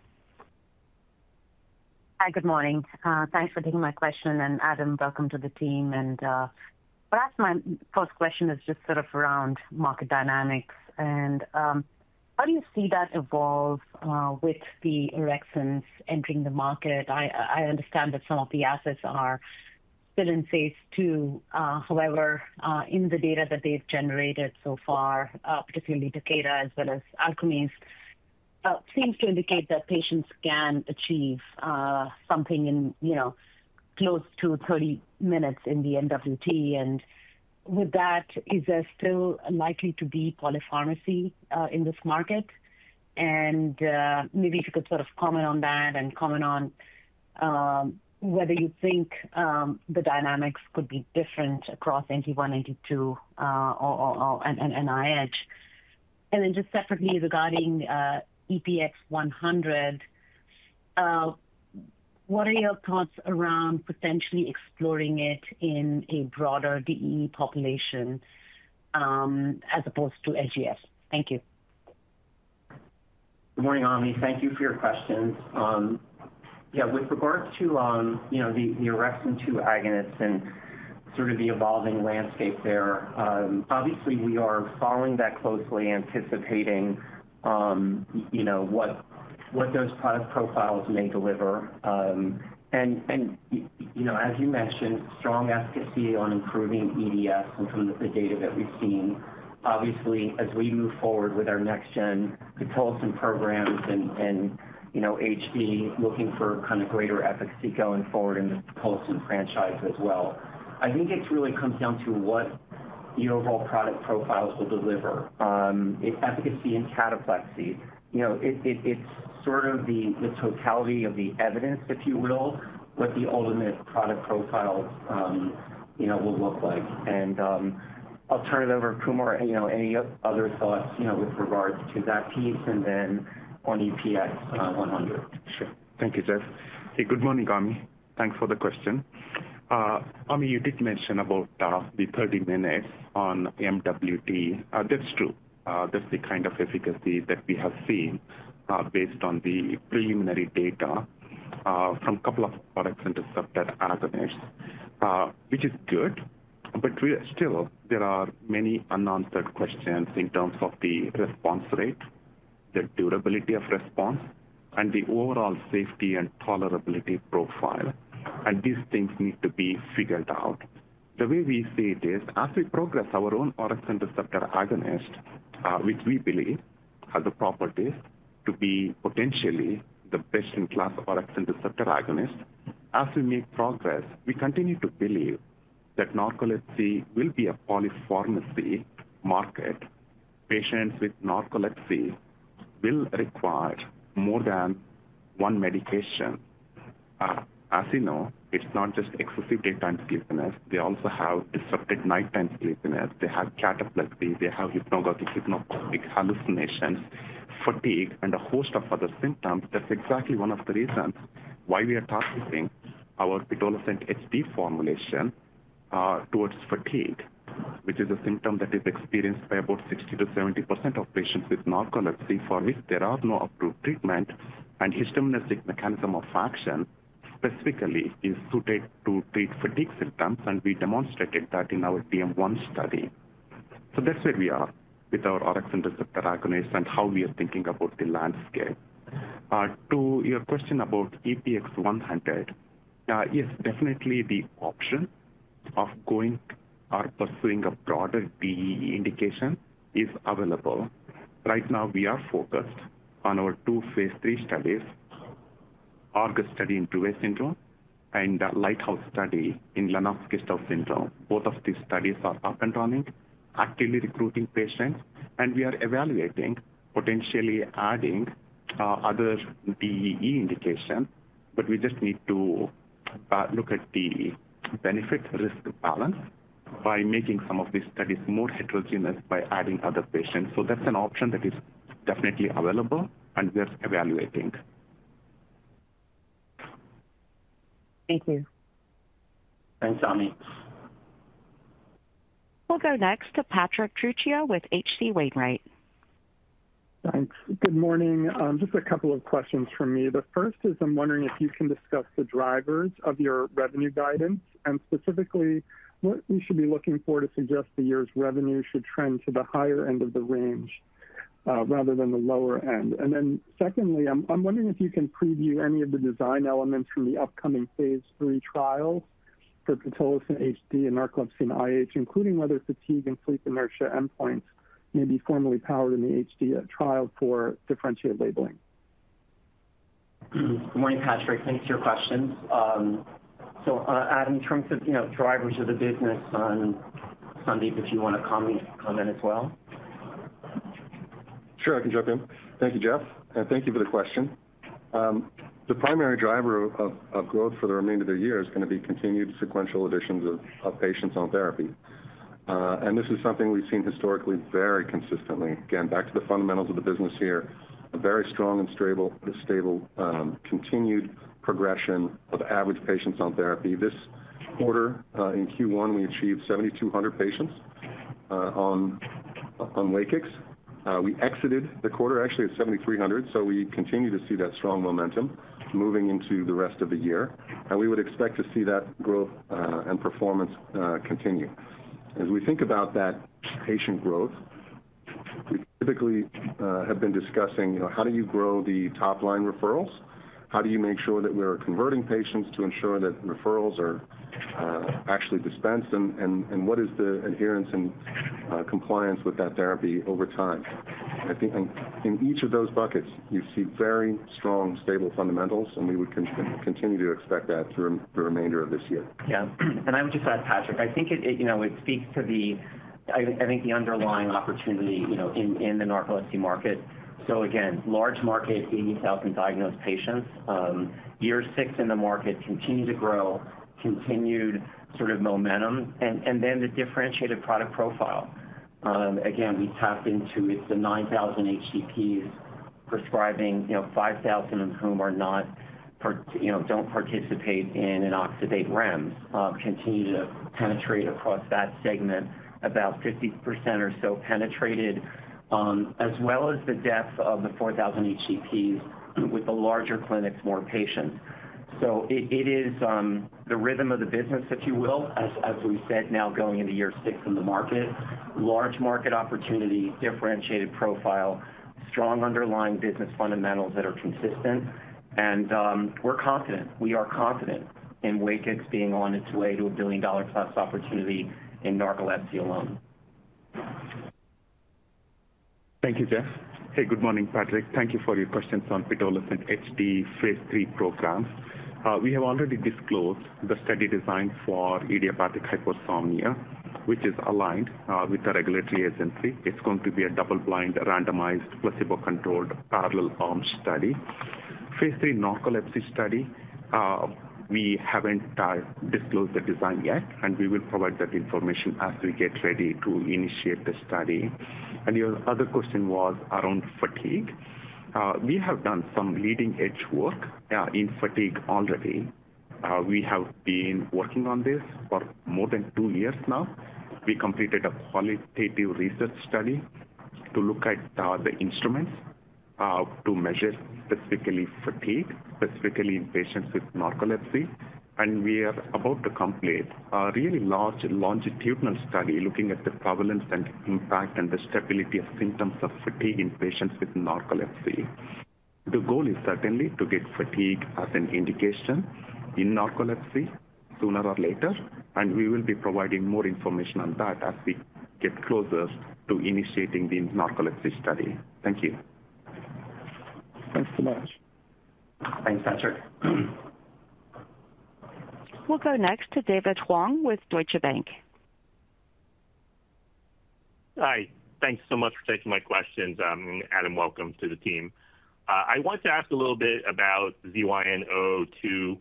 Hi, good morning. Thanks for taking my question. Adam, welcome to the team. Perhaps my first question is just sort of around market dynamics. How do you see that evolve with the orexins entering the market? I understand that some of the assets are still in Phase II. However, in the data that they have generated so far, particularly Takeda as well as Alkermes, it seems to indicate that patients can achieve something in close to 30 minutes in the NWT. With that, is there still likely to be polypharmacy in this market? Maybe if you could sort of comment on that and comment on whether you think the dynamics could be different across NT1, NT2, and IH. Then just separately regarding EPX-100, what are your thoughts around potentially exploring it in a broader DEE population as opposed to LGS? Thank you. Good morning, Ami. Thank you for your questions. Yeah, with regard to the orexin-2 agonists and sort of the evolving landscape there, obviously, we are following that closely, anticipating what those product profiles may deliver. And as you mentioned, strong efficacy on improving EDS and from the data that we've seen. Obviously, as we move forward with our next-gen Pitolisant programs and HD looking for kind of greater efficacy going forward in the Pitolisant franchise as well. I think it really comes down to what the overall product profiles will deliver. Efficacy and cataplexy, it's sort of the totality of the evidence, if you will, what the ultimate product profile will look like. And I'll turn it over to Kumar and any other thoughts with regards to that piece and then on EPX-100. Sure. Thank you, Jeff. Hey, good morning, Ami. Thanks for the question. Ami, you did mention about the 30 minutes on MWT. That is true. That is the kind of efficacy that we have seen based on the preliminary data from a couple of orexin receptor agonists, which is good. There are many unanswered questions in terms of the response rate, the durability of response, and the overall safety and tolerability profile. These things need to be figured out. The way we see it is, as we progress our own orexin receptor agonist, which we believe has the properties to be potentially the best-in-class orexin receptor agonist, as we make progress, we continue to believe that narcolepsy will be a polypharmacy market. Patients with narcolepsy will require more than one medication. As you know, it is not just excessive daytime sleepiness. They also have disrupted nighttime sleepiness. They have cataplexy. They have hypnagogic-hypnopompic hallucinations, fatigue, and a host of other symptoms. That is exactly one of the reasons why we are targeting our Pitolisant HD formulation towards fatigue, which is a symptom that is experienced by about 60%-70% of patients with narcolepsy for which there are no approved treatments. And histaminergic mechanism of action specifically is suited to treat fatigue symptoms, and we demonstrated that in our DM-1 study. That is where we are with our orexin receptor agonists and how we are thinking about the landscape. To your question about EPX-100, yes, definitely the option of going or pursuing a broader DEE indication is available. Right now, we are focused on our two Phase III studies, Argus study in Dravet syndrome and Lighthouse study in Lennox-Gastaut syndrome. Both of these studies are up and running, actively recruiting patients. We are evaluating potentially adding other DEE indications, but we just need to look at the benefit-risk balance by making some of these studies more heterogeneous by adding other patients. That is an option that is definitely available, and we are evaluating. Thank you. Thanks, Ami. We'll go next to Patrick Trucchio with H.C. Wainwright. Thanks. Good morning. Just a couple of questions from me. The first is I'm wondering if you can discuss the drivers of your revenue guidance and specifically what we should be looking for to suggest the year's revenue should trend to the higher end of the range rather than the lower end. Secondly, I'm wondering if you can preview any of the design elements from the upcoming Phase III trials for Pitolisant HD in narcolepsy and IH, including whether fatigue and sleep inertia endpoints may be formally powered in the HD trial for differentiated labeling. Good morning, Patrick. Thanks for your questions. So Adam, in terms of drivers of the business, Sunday, if you want to comment as well. Sure, I can jump in. Thank you, Jeff. Thank you for the question. The primary driver of growth for the remainder of the year is going to be continued sequential additions of patients on therapy. This is something we've seen historically very consistently. Again, back to the fundamentals of the business here, a very strong and stable continued progression of average patients on therapy. This quarter, in Q1, we achieved 7,200 patients on WAKIX. We exited the quarter, actually, at 7,300. We continue to see that strong momentum moving into the rest of the year. We would expect to see that growth and performance continue. As we think about that patient growth, we typically have been discussing how do you grow the top-line referrals? How do you make sure that we're converting patients to ensure that referrals are actually dispensed? What is the adherence and compliance with that therapy over time? I think in each of those buckets, you see very strong, stable fundamentals, and we would continue to expect that through the remainder of this year. Yeah. I would just add, Patrick, I think it speaks to the underlying opportunity in the narcolepsy market. Again, large market, 80,000 diagnosed patients, year six in the market, continue to grow, continued sort of momentum. Then the differentiated product profile. Again, we tapped into the 9,000 HDPs prescribing, 5,000 of whom do not participate in an oxybate REMS, continue to penetrate across that segment, about 50% or so penetrated, as well as the depth of the 4,000 HDPs with the larger clinics, more patients. It is the rhythm of the business, if you will, as we said now going into year six in the market, large market opportunity, differentiated profile, strong underlying business fundamentals that are consistent. We are confident in WAKIX being on its way to a billion-dollar-plus opportunity in narcolepsy alone. Thank you, Jeff. Hey, good morning, Patrick. Thank you for your questions on Pitolisant HD Phase III program. We have already disclosed the study design for idiopathic hypersomnia, which is aligned with the regulatory agency. It's going to be a double-blind, randomized, placebo-controlled parallel arm study. Phase III narcolepsy study, we haven't disclosed the design yet, and we will provide that information as we get ready to initiate the study. Your other question was around fatigue. We have done some leading-edge work in fatigue already. We have been working on this for more than two years now. We completed a qualitative research study to look at the instruments to measure specifically fatigue, specifically in patients with narcolepsy. We are about to complete a really large longitudinal study looking at the prevalence and impact and the stability of symptoms of fatigue in patients with narcolepsy. The goal is certainly to get fatigue as an indication in narcolepsy sooner or later. We will be providing more information on that as we get closer to initiating the narcolepsy study. Thank you. Thanks so much. Thanks, Patrick. We'll go next to David Hoang with Deutsche Bank. Hi. Thanks so much for taking my questions. Adam, welcome to the team. I want to ask a little bit about ZYN002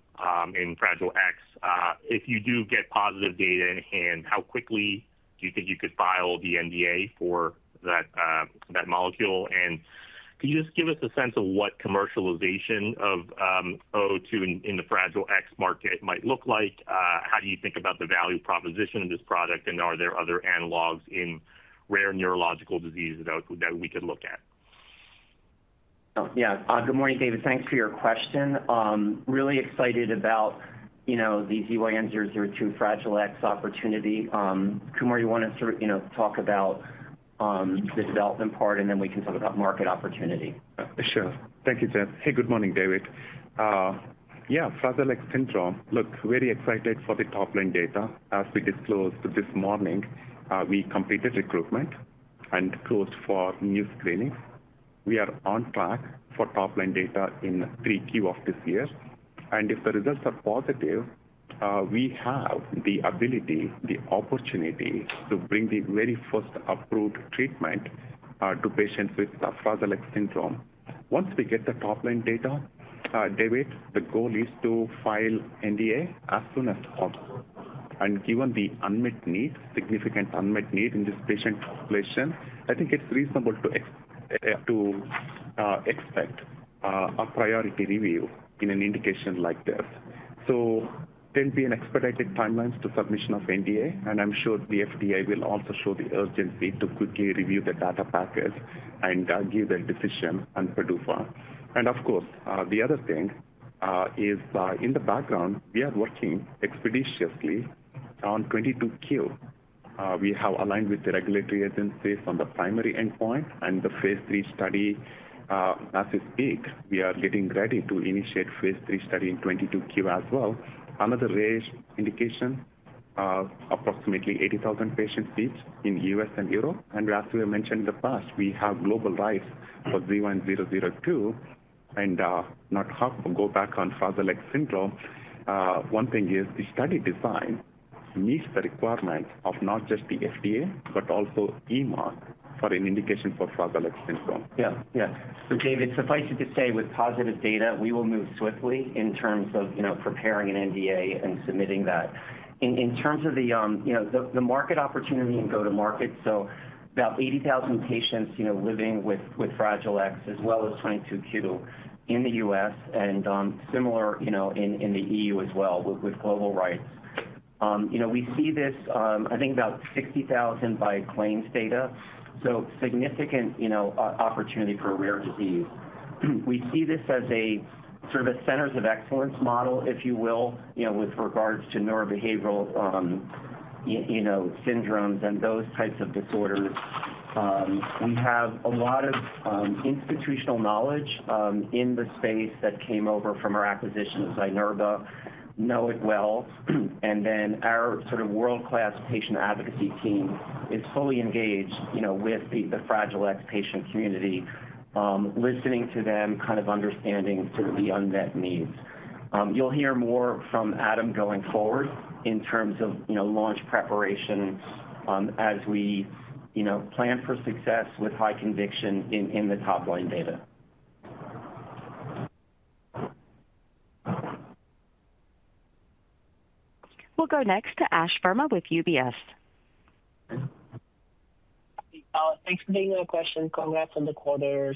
in Fragile X. If you do get positive data in hand, how quickly do you think you could file the NDA for that molecule? Can you just give us a sense of what commercialization of 002 in the Fragile X market might look like? How do you think about the value proposition of this product? Are there other analogs in rare neurological disease that we could look at? Yeah. Good morning, David. Thanks for your question. Really excited about the ZYN002 Fragile X opportunity. Kumar, you want to talk about the development part, and then we can talk about market opportunity. Sure. Thank you, Jeff. Hey, good morning, David. Yeah, Fragile X syndrome, look, very excited for the top-line data. As we disclosed this morning, we completed recruitment and closed for new screenings. We are on track for top-line data in Q3 of this year. If the results are positive, we have the ability, the opportunity to bring the very first approved treatment to patients with Fragile X syndrome. Once we get the top-line data, David, the goal is to file NDA as soon as possible. Given the unmet need, significant unmet need in this patient population, I think it is reasonable to expect a priority review in an indication like this. There will be an expedited timeline to submission of NDA. I am sure the FDA will also show the urgency to quickly review the data packets and give their decision on PDUFA. Of course, the other thing is in the background, we are working expeditiously on 22q. We have aligned with the regulatory agency from the primary endpoint and the Phase III study. As we speak, we are getting ready to initiate Phase III study in 22q as well. Another rare indication, approximately 80,000 patients each in the U.S. and Europe. As we have mentioned in the past, we have global rights for ZYN002 and not go back on Fragile X syndrome. One thing is the study design meets the requirement of not just the FDA, but also EMA for an indication for Fragile X syndrome. Yeah. Yeah. David, suffice it to say, with positive data, we will move swiftly in terms of preparing an NDA and submitting that. In terms of the market opportunity and go-to-market, about 80,000 patients living with Fragile X as well as 22q in the U.S. and similar in the EU as well with global rights. We see this, I think, about 60,000 by claims data. Significant opportunity for rare disease. We see this as a sort of centers of excellence model, if you will, with regards to neurobehavioral syndromes and those types of disorders. We have a lot of institutional knowledge in the space that came over from our acquisition of Zynerba, know it well. Our sort of world-class patient advocacy team is fully engaged with the Fragile X patient community, listening to them, kind of understanding the unmet needs. You'll hear more from Adam going forward in terms of launch preparation as we plan for success with high conviction in the top-line data. We'll go next to Ash Verma with UBS. Thanks for taking our questions. Congrats on the quarter.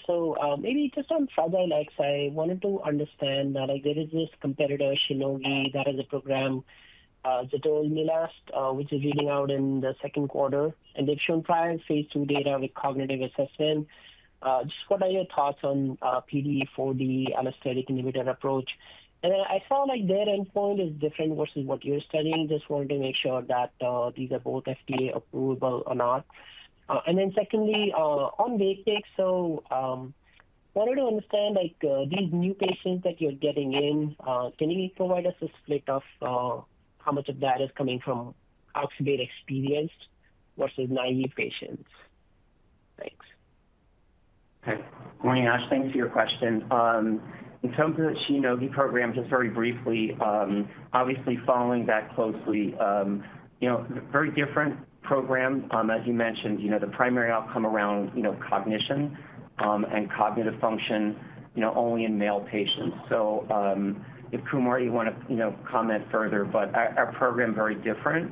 Maybe just on Fragile X, I wanted to understand that there is this competitor, Shionogi, that has a program, Zatolmilast, which is leading out in the second quarter. They have shown prior Phase II data with cognitive assessment. Just what are your thoughts on PDE4D, allosteric inhibitor approach? I saw their endpoint is different versus what you are studying. Just wanted to make sure that these are both FDA-approvable or not. Secondly, on WAKIX, I wanted to understand these new patients that you are getting in. Can you provide us a split of how much of that is coming from oxybate-experienced versus naive patients? Thanks. Okay. Good morning, Ash. Thanks for your question. In terms of the Shionogi program, just very briefly, obviously following that closely, very different program, as you mentioned, the primary outcome around cognition and cognitive function only in male patients. If Kumar, you want to comment further, but our program is very different,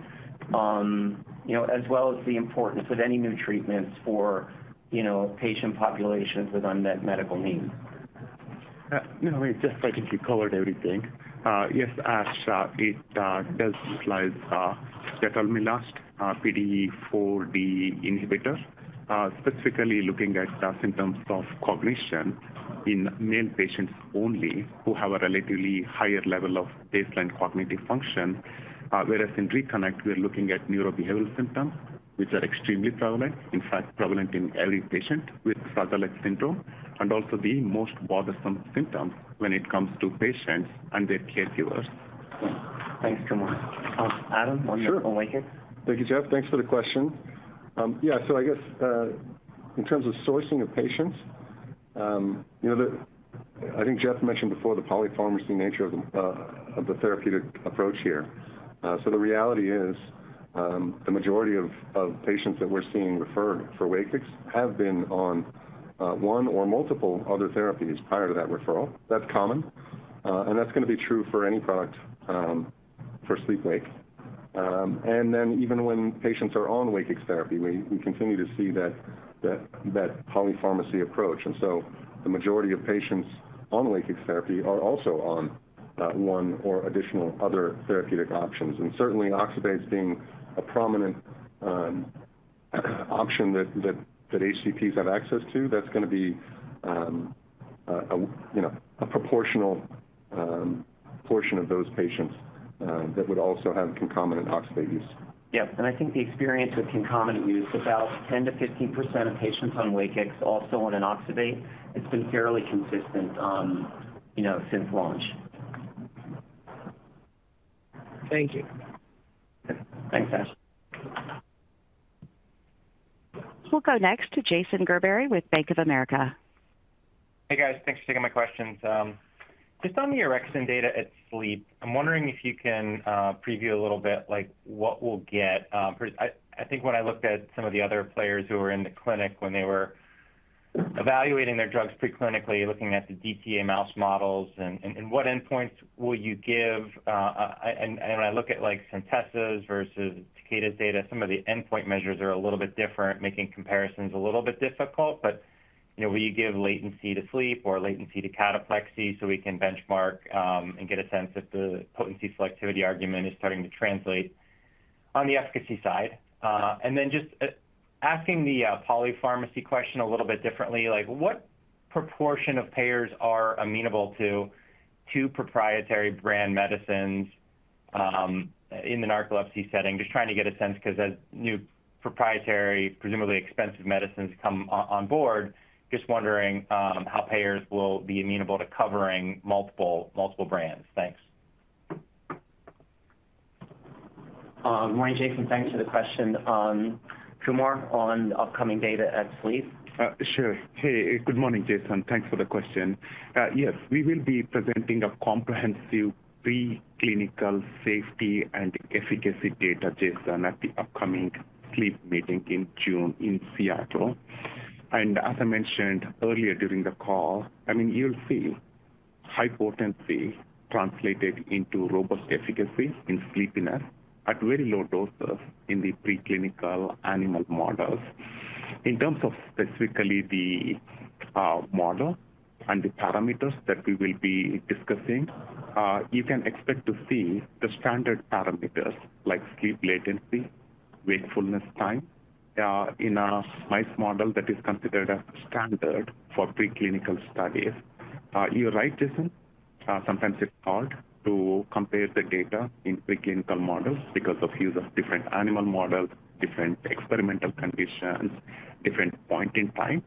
as well as the importance of any new treatments for patient populations with unmet medical needs. Yeah. Just so I can see colored everything. Yes, Ash, it does utilize Zatolmilast PDE4D inhibitor, specifically looking at symptoms of cognition in male patients only who have a relatively higher level of baseline cognitive function. Whereas in Reconnect, we're looking at neurobehavioral symptoms, which are extremely prevalent, in fact, prevalent in every patient with Fragile X syndrome, and also the most bothersome symptoms when it comes to patients and their caregivers. Thanks, Kumar. Adam, on WAKIX. Sure. Thank you, Jeff. Thanks for the question. Yeah. I guess in terms of sourcing of patients, I think Jeff mentioned before the polypharmacy nature of the therapeutic approach here. The reality is the majority of patients that we are seeing referred for WAKIX have been on one or multiple other therapies prior to that referral. That is common. That is going to be true for any product for sleep-wake. Even when patients are on WAKIX therapy, we continue to see that polypharmacy approach. The majority of patients on WAKIX therapy are also on one or additional other therapeutic options. Certainly, oxybutynin being a prominent option that HCPs have access to, that is going to be a proportional portion of those patients that would also have concomitant oxybutynin use. Yeah. I think the experience with concomitant use, about 10%-15% of patients on WAKIX also on an oxybutynin, it's been fairly consistent since launch. Thank you. Thanks, Ash. We'll go next to Jason Gerberry with Bank of America. Hey, guys. Thanks for taking my questions. Just on the orexin data at Sleep, I'm wondering if you can preview a little bit what we'll get. I think when I looked at some of the other players who were in the clinic when they were evaluating their drugs preclinically, looking at the DTA mouse models, and what endpoints will you give? When I look at Shionogi's versus Takeda's data, some of the endpoint measures are a little bit different, making comparisons a little bit difficult. Will you give latency to sleep or latency to cataplexy so we can benchmark and get a sense if the potency selectivity argument is starting to translate on the efficacy side? Just asking the polypharmacy question a little bit differently, what proportion of payers are amenable to proprietary brand medicines in the narcolepsy setting? Just trying to get a sense because as new proprietary, presumably expensive medicines come on board, just wondering how payers will be amenable to covering multiple brands. Thanks. Good morning, Jason. Thanks for the question. Kumar on upcoming data at sleep? Sure. Hey, good morning, Jason. Thanks for the question. Yes, we will be presenting comprehensive preclinical safety and efficacy data, Jason, at the upcoming sleep meeting in June in Seattle. As I mentioned earlier during the call, I mean, you'll see high potency translated into robust efficacy in sleepiness at very low doses in the preclinical animal models. In terms of specifically the model and the parameters that we will be discussing, you can expect to see the standard parameters like sleep latency, wakefulness time in a mice model that is considered a standard for preclinical studies. You're right, Jason. Sometimes it's hard to compare the data in preclinical models because of use of different animal models, different experimental conditions, different point in time.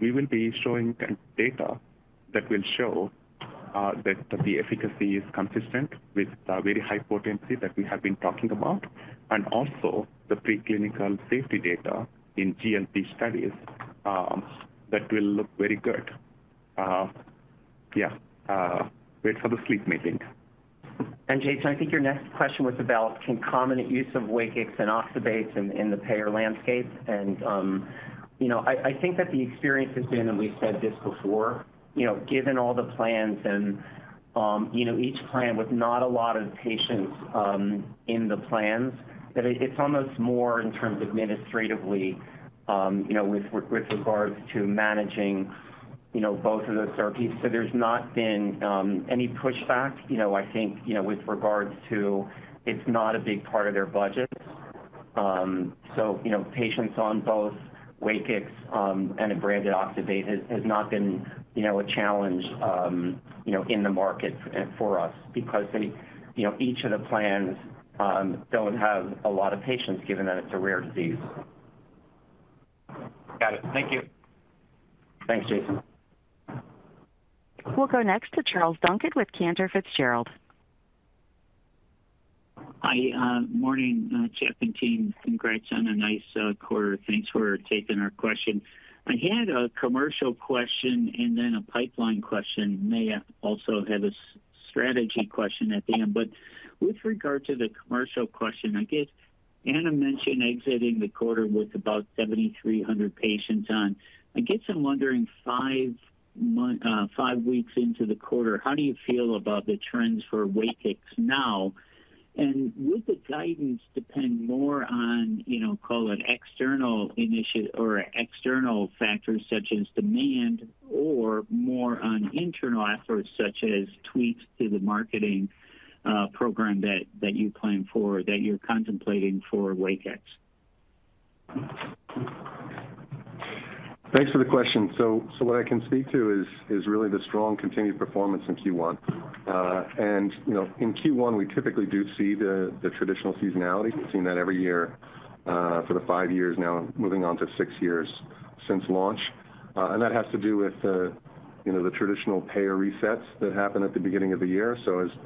We will be showing data that will show that the efficacy is consistent with the very high potency that we have been talking about, and also the preclinical safety data in GLP studies that will look very good. Yeah. Wait for the sleep meeting. Jason, I think your next question was about concomitant use of WAKIX and oxybutynin in the payer landscape. I think that the experience has been, and we've said this before, given all the plans and each plan with not a lot of patients in the plans, that it's almost more in terms of administratively with regards to managing both of those therapies. There's not been any pushback, I think, with regards to it's not a big part of their budget. Patients on both WAKIX and a branded oxybutynin has not been a challenge in the market for us because each of the plans do not have a lot of patients given that it's a rare disease. Got it. Thank you. Thanks, Jason. We'll go next to Charles Duncan with Cantor Fitzgerald. Hi. Morning, Jeff and team. Congrats on a nice quarter. Thanks for taking our question. I had a commercial question and then a pipeline question. May I also have a strategy question at the end? With regard to the commercial question, I guess Anna mentioned exiting the quarter with about 7,300 patients on. I guess I'm wondering, five weeks into the quarter, how do you feel about the trends for WAKIX now? Would the guidance depend more on, call it, external factors such as demand or more on internal efforts such as tweaks to the marketing program that you plan for, that you're contemplating for WAKIX? Thanks for the question. What I can speak to is really the strong continued performance in Q1. In Q1, we typically do see the traditional seasonality. We've seen that every year for the five years now, moving on to six years since launch. That has to do with the traditional payer resets that happen at the beginning of the year.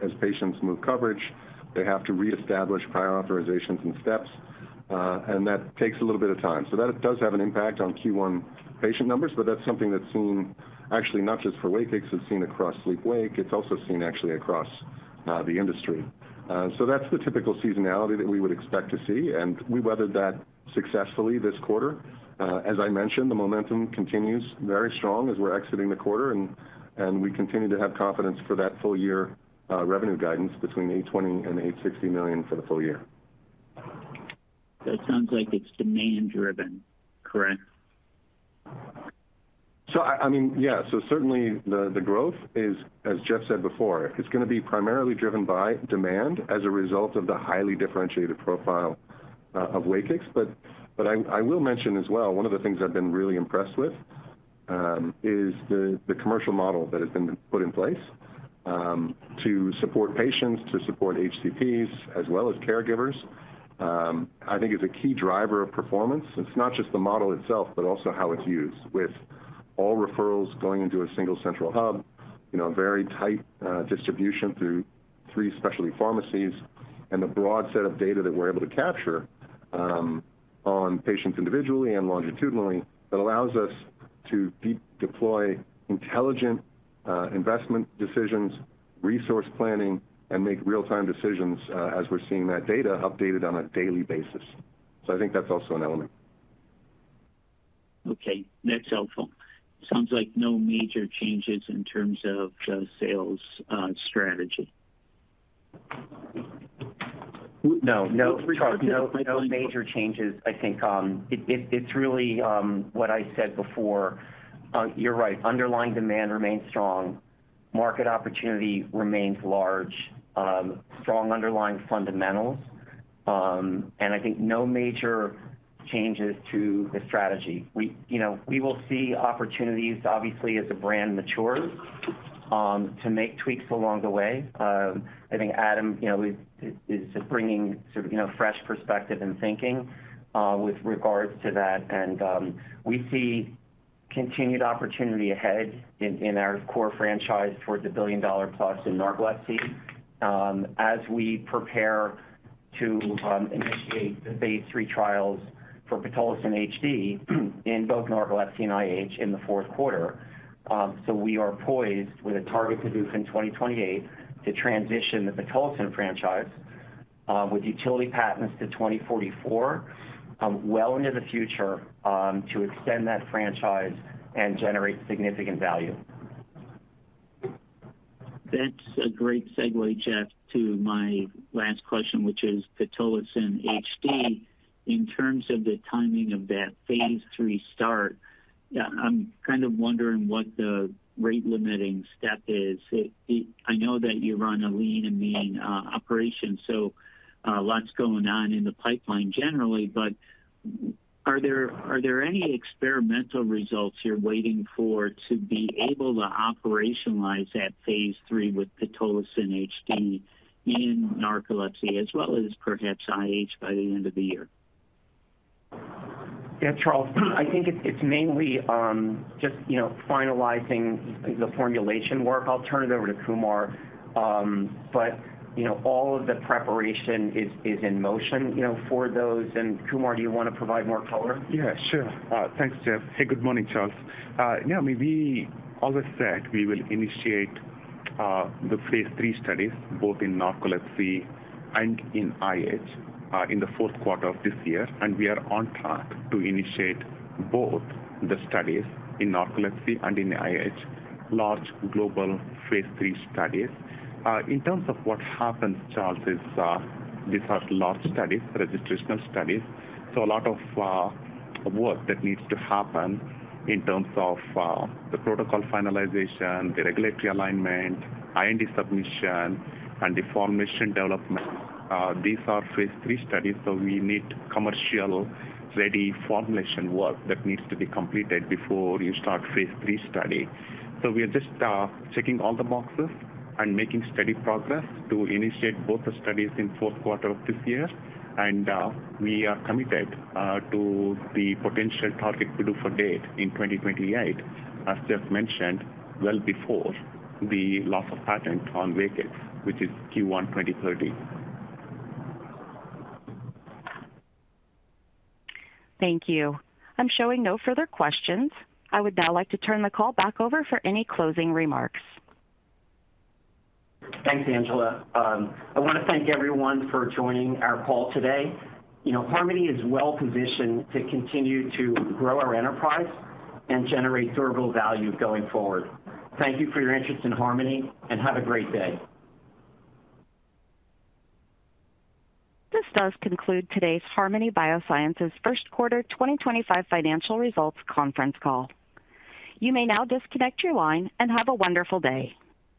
As patients move coverage, they have to reestablish prior authorizations and steps. That takes a little bit of time. That does have an impact on Q1 patient numbers, but that's something that's seen actually not just for WAKIX. It's seen across sleep-wake. It's also seen actually across the industry. That's the typical seasonality that we would expect to see. We weathered that successfully this quarter. As I mentioned, the momentum continues very strong as we're exiting the quarter. We continue to have confidence for that full-year revenue guidance between $820 million and $860 million for the full year. It sounds like it's demand-driven, correct? So I mean, yeah. Certainly the growth is, as Jeff said before, it's going to be primarily driven by demand as a result of the highly differentiated profile of WAKIX. I will mention as well, one of the things I've been really impressed with is the commercial model that has been put in place to support patients, to support HCPs as well as caregivers. I think it's a key driver of performance. It's not just the model itself, but also how it's used with all referrals going into a single central hub, a very tight distribution through three specialty pharmacies, and the broad set of data that we're able to capture on patients individually and longitudinally that allows us to deploy intelligent investment decisions, resource planning, and make real-time decisions as we're seeing that data updated on a daily basis. I think that's also an element. Okay. That's helpful. Sounds like no major changes in terms of sales strategy. No. No. No major changes. I think it's really what I said before. You're right. Underlying demand remains strong. Market opportunity remains large. Strong underlying fundamentals. I think no major changes to the strategy. We will see opportunities, obviously, as the brand matures to make tweaks along the way. I think Adam is bringing sort of fresh perspective and thinking with regards to that. We see continued opportunity ahead in our core franchise towards a billion-dollar-plus in narcolepsy as we prepare to initiate the Phase III trials for Pitolisant HD in both narcolepsy and IH in the fourth quarter. We are poised with a target to do from 2028 to transition the Pitolisant franchise with utility patents to 2044, well into the future to extend that franchise and generate significant value. That's a great segue, Jeff, to my last question, which is Pitolisant HD. In terms of the timing of that Phase III start, I'm kind of wondering what the rate-limiting step is. I know that you run a lean and mean operation, so lots going on in the pipeline generally, but are there any experimental results you're waiting for to be able to operationalize that Phase III with Pitolisant HD in narcolepsy as well as perhaps idiopathic hypersomnia by the end of the year? Yeah, Charles. I think it's mainly just finalizing the formulation work. I'll turn it over to Kumar. All of the preparation is in motion for those. Kumar, do you want to provide more color? Yeah. Sure. Thanks, Jeff. Hey, good morning, Charles. Yeah. I mean, as I said, we will initiate the Phase III studies both in narcolepsy and in IH in the fourth quarter of this year. We are on track to initiate both the studies in narcolepsy and in IH, large global Phase III studies. In terms of what happens, Charles, these are large studies, registrational studies. A lot of work needs to happen in terms of the protocol finalization, the regulatory alignment, IND submission, and the formulation development. These are Phase III studies, so we need commercial-ready formulation work that needs to be completed before you start Phase III study. We are just checking all the boxes and making steady progress to initiate both the studies in the fourth quarter of this year. We are committed to the potential target PDUFA date in 2028, as Jeff mentioned, well before the loss of patent on WAKIX, which is Q1 2030. Thank you. I'm showing no further questions. I would now like to turn the call back over for any closing remarks. Thanks, Angela. I want to thank everyone for joining our call today. Harmony is well-positioned to continue to grow our enterprise and generate durable value going forward. Thank you for your interest in Harmony, and have a great day. This does conclude today's Harmony Biosciences' first quarter 2025 financial results conference call. You may now disconnect your line and have a wonderful day.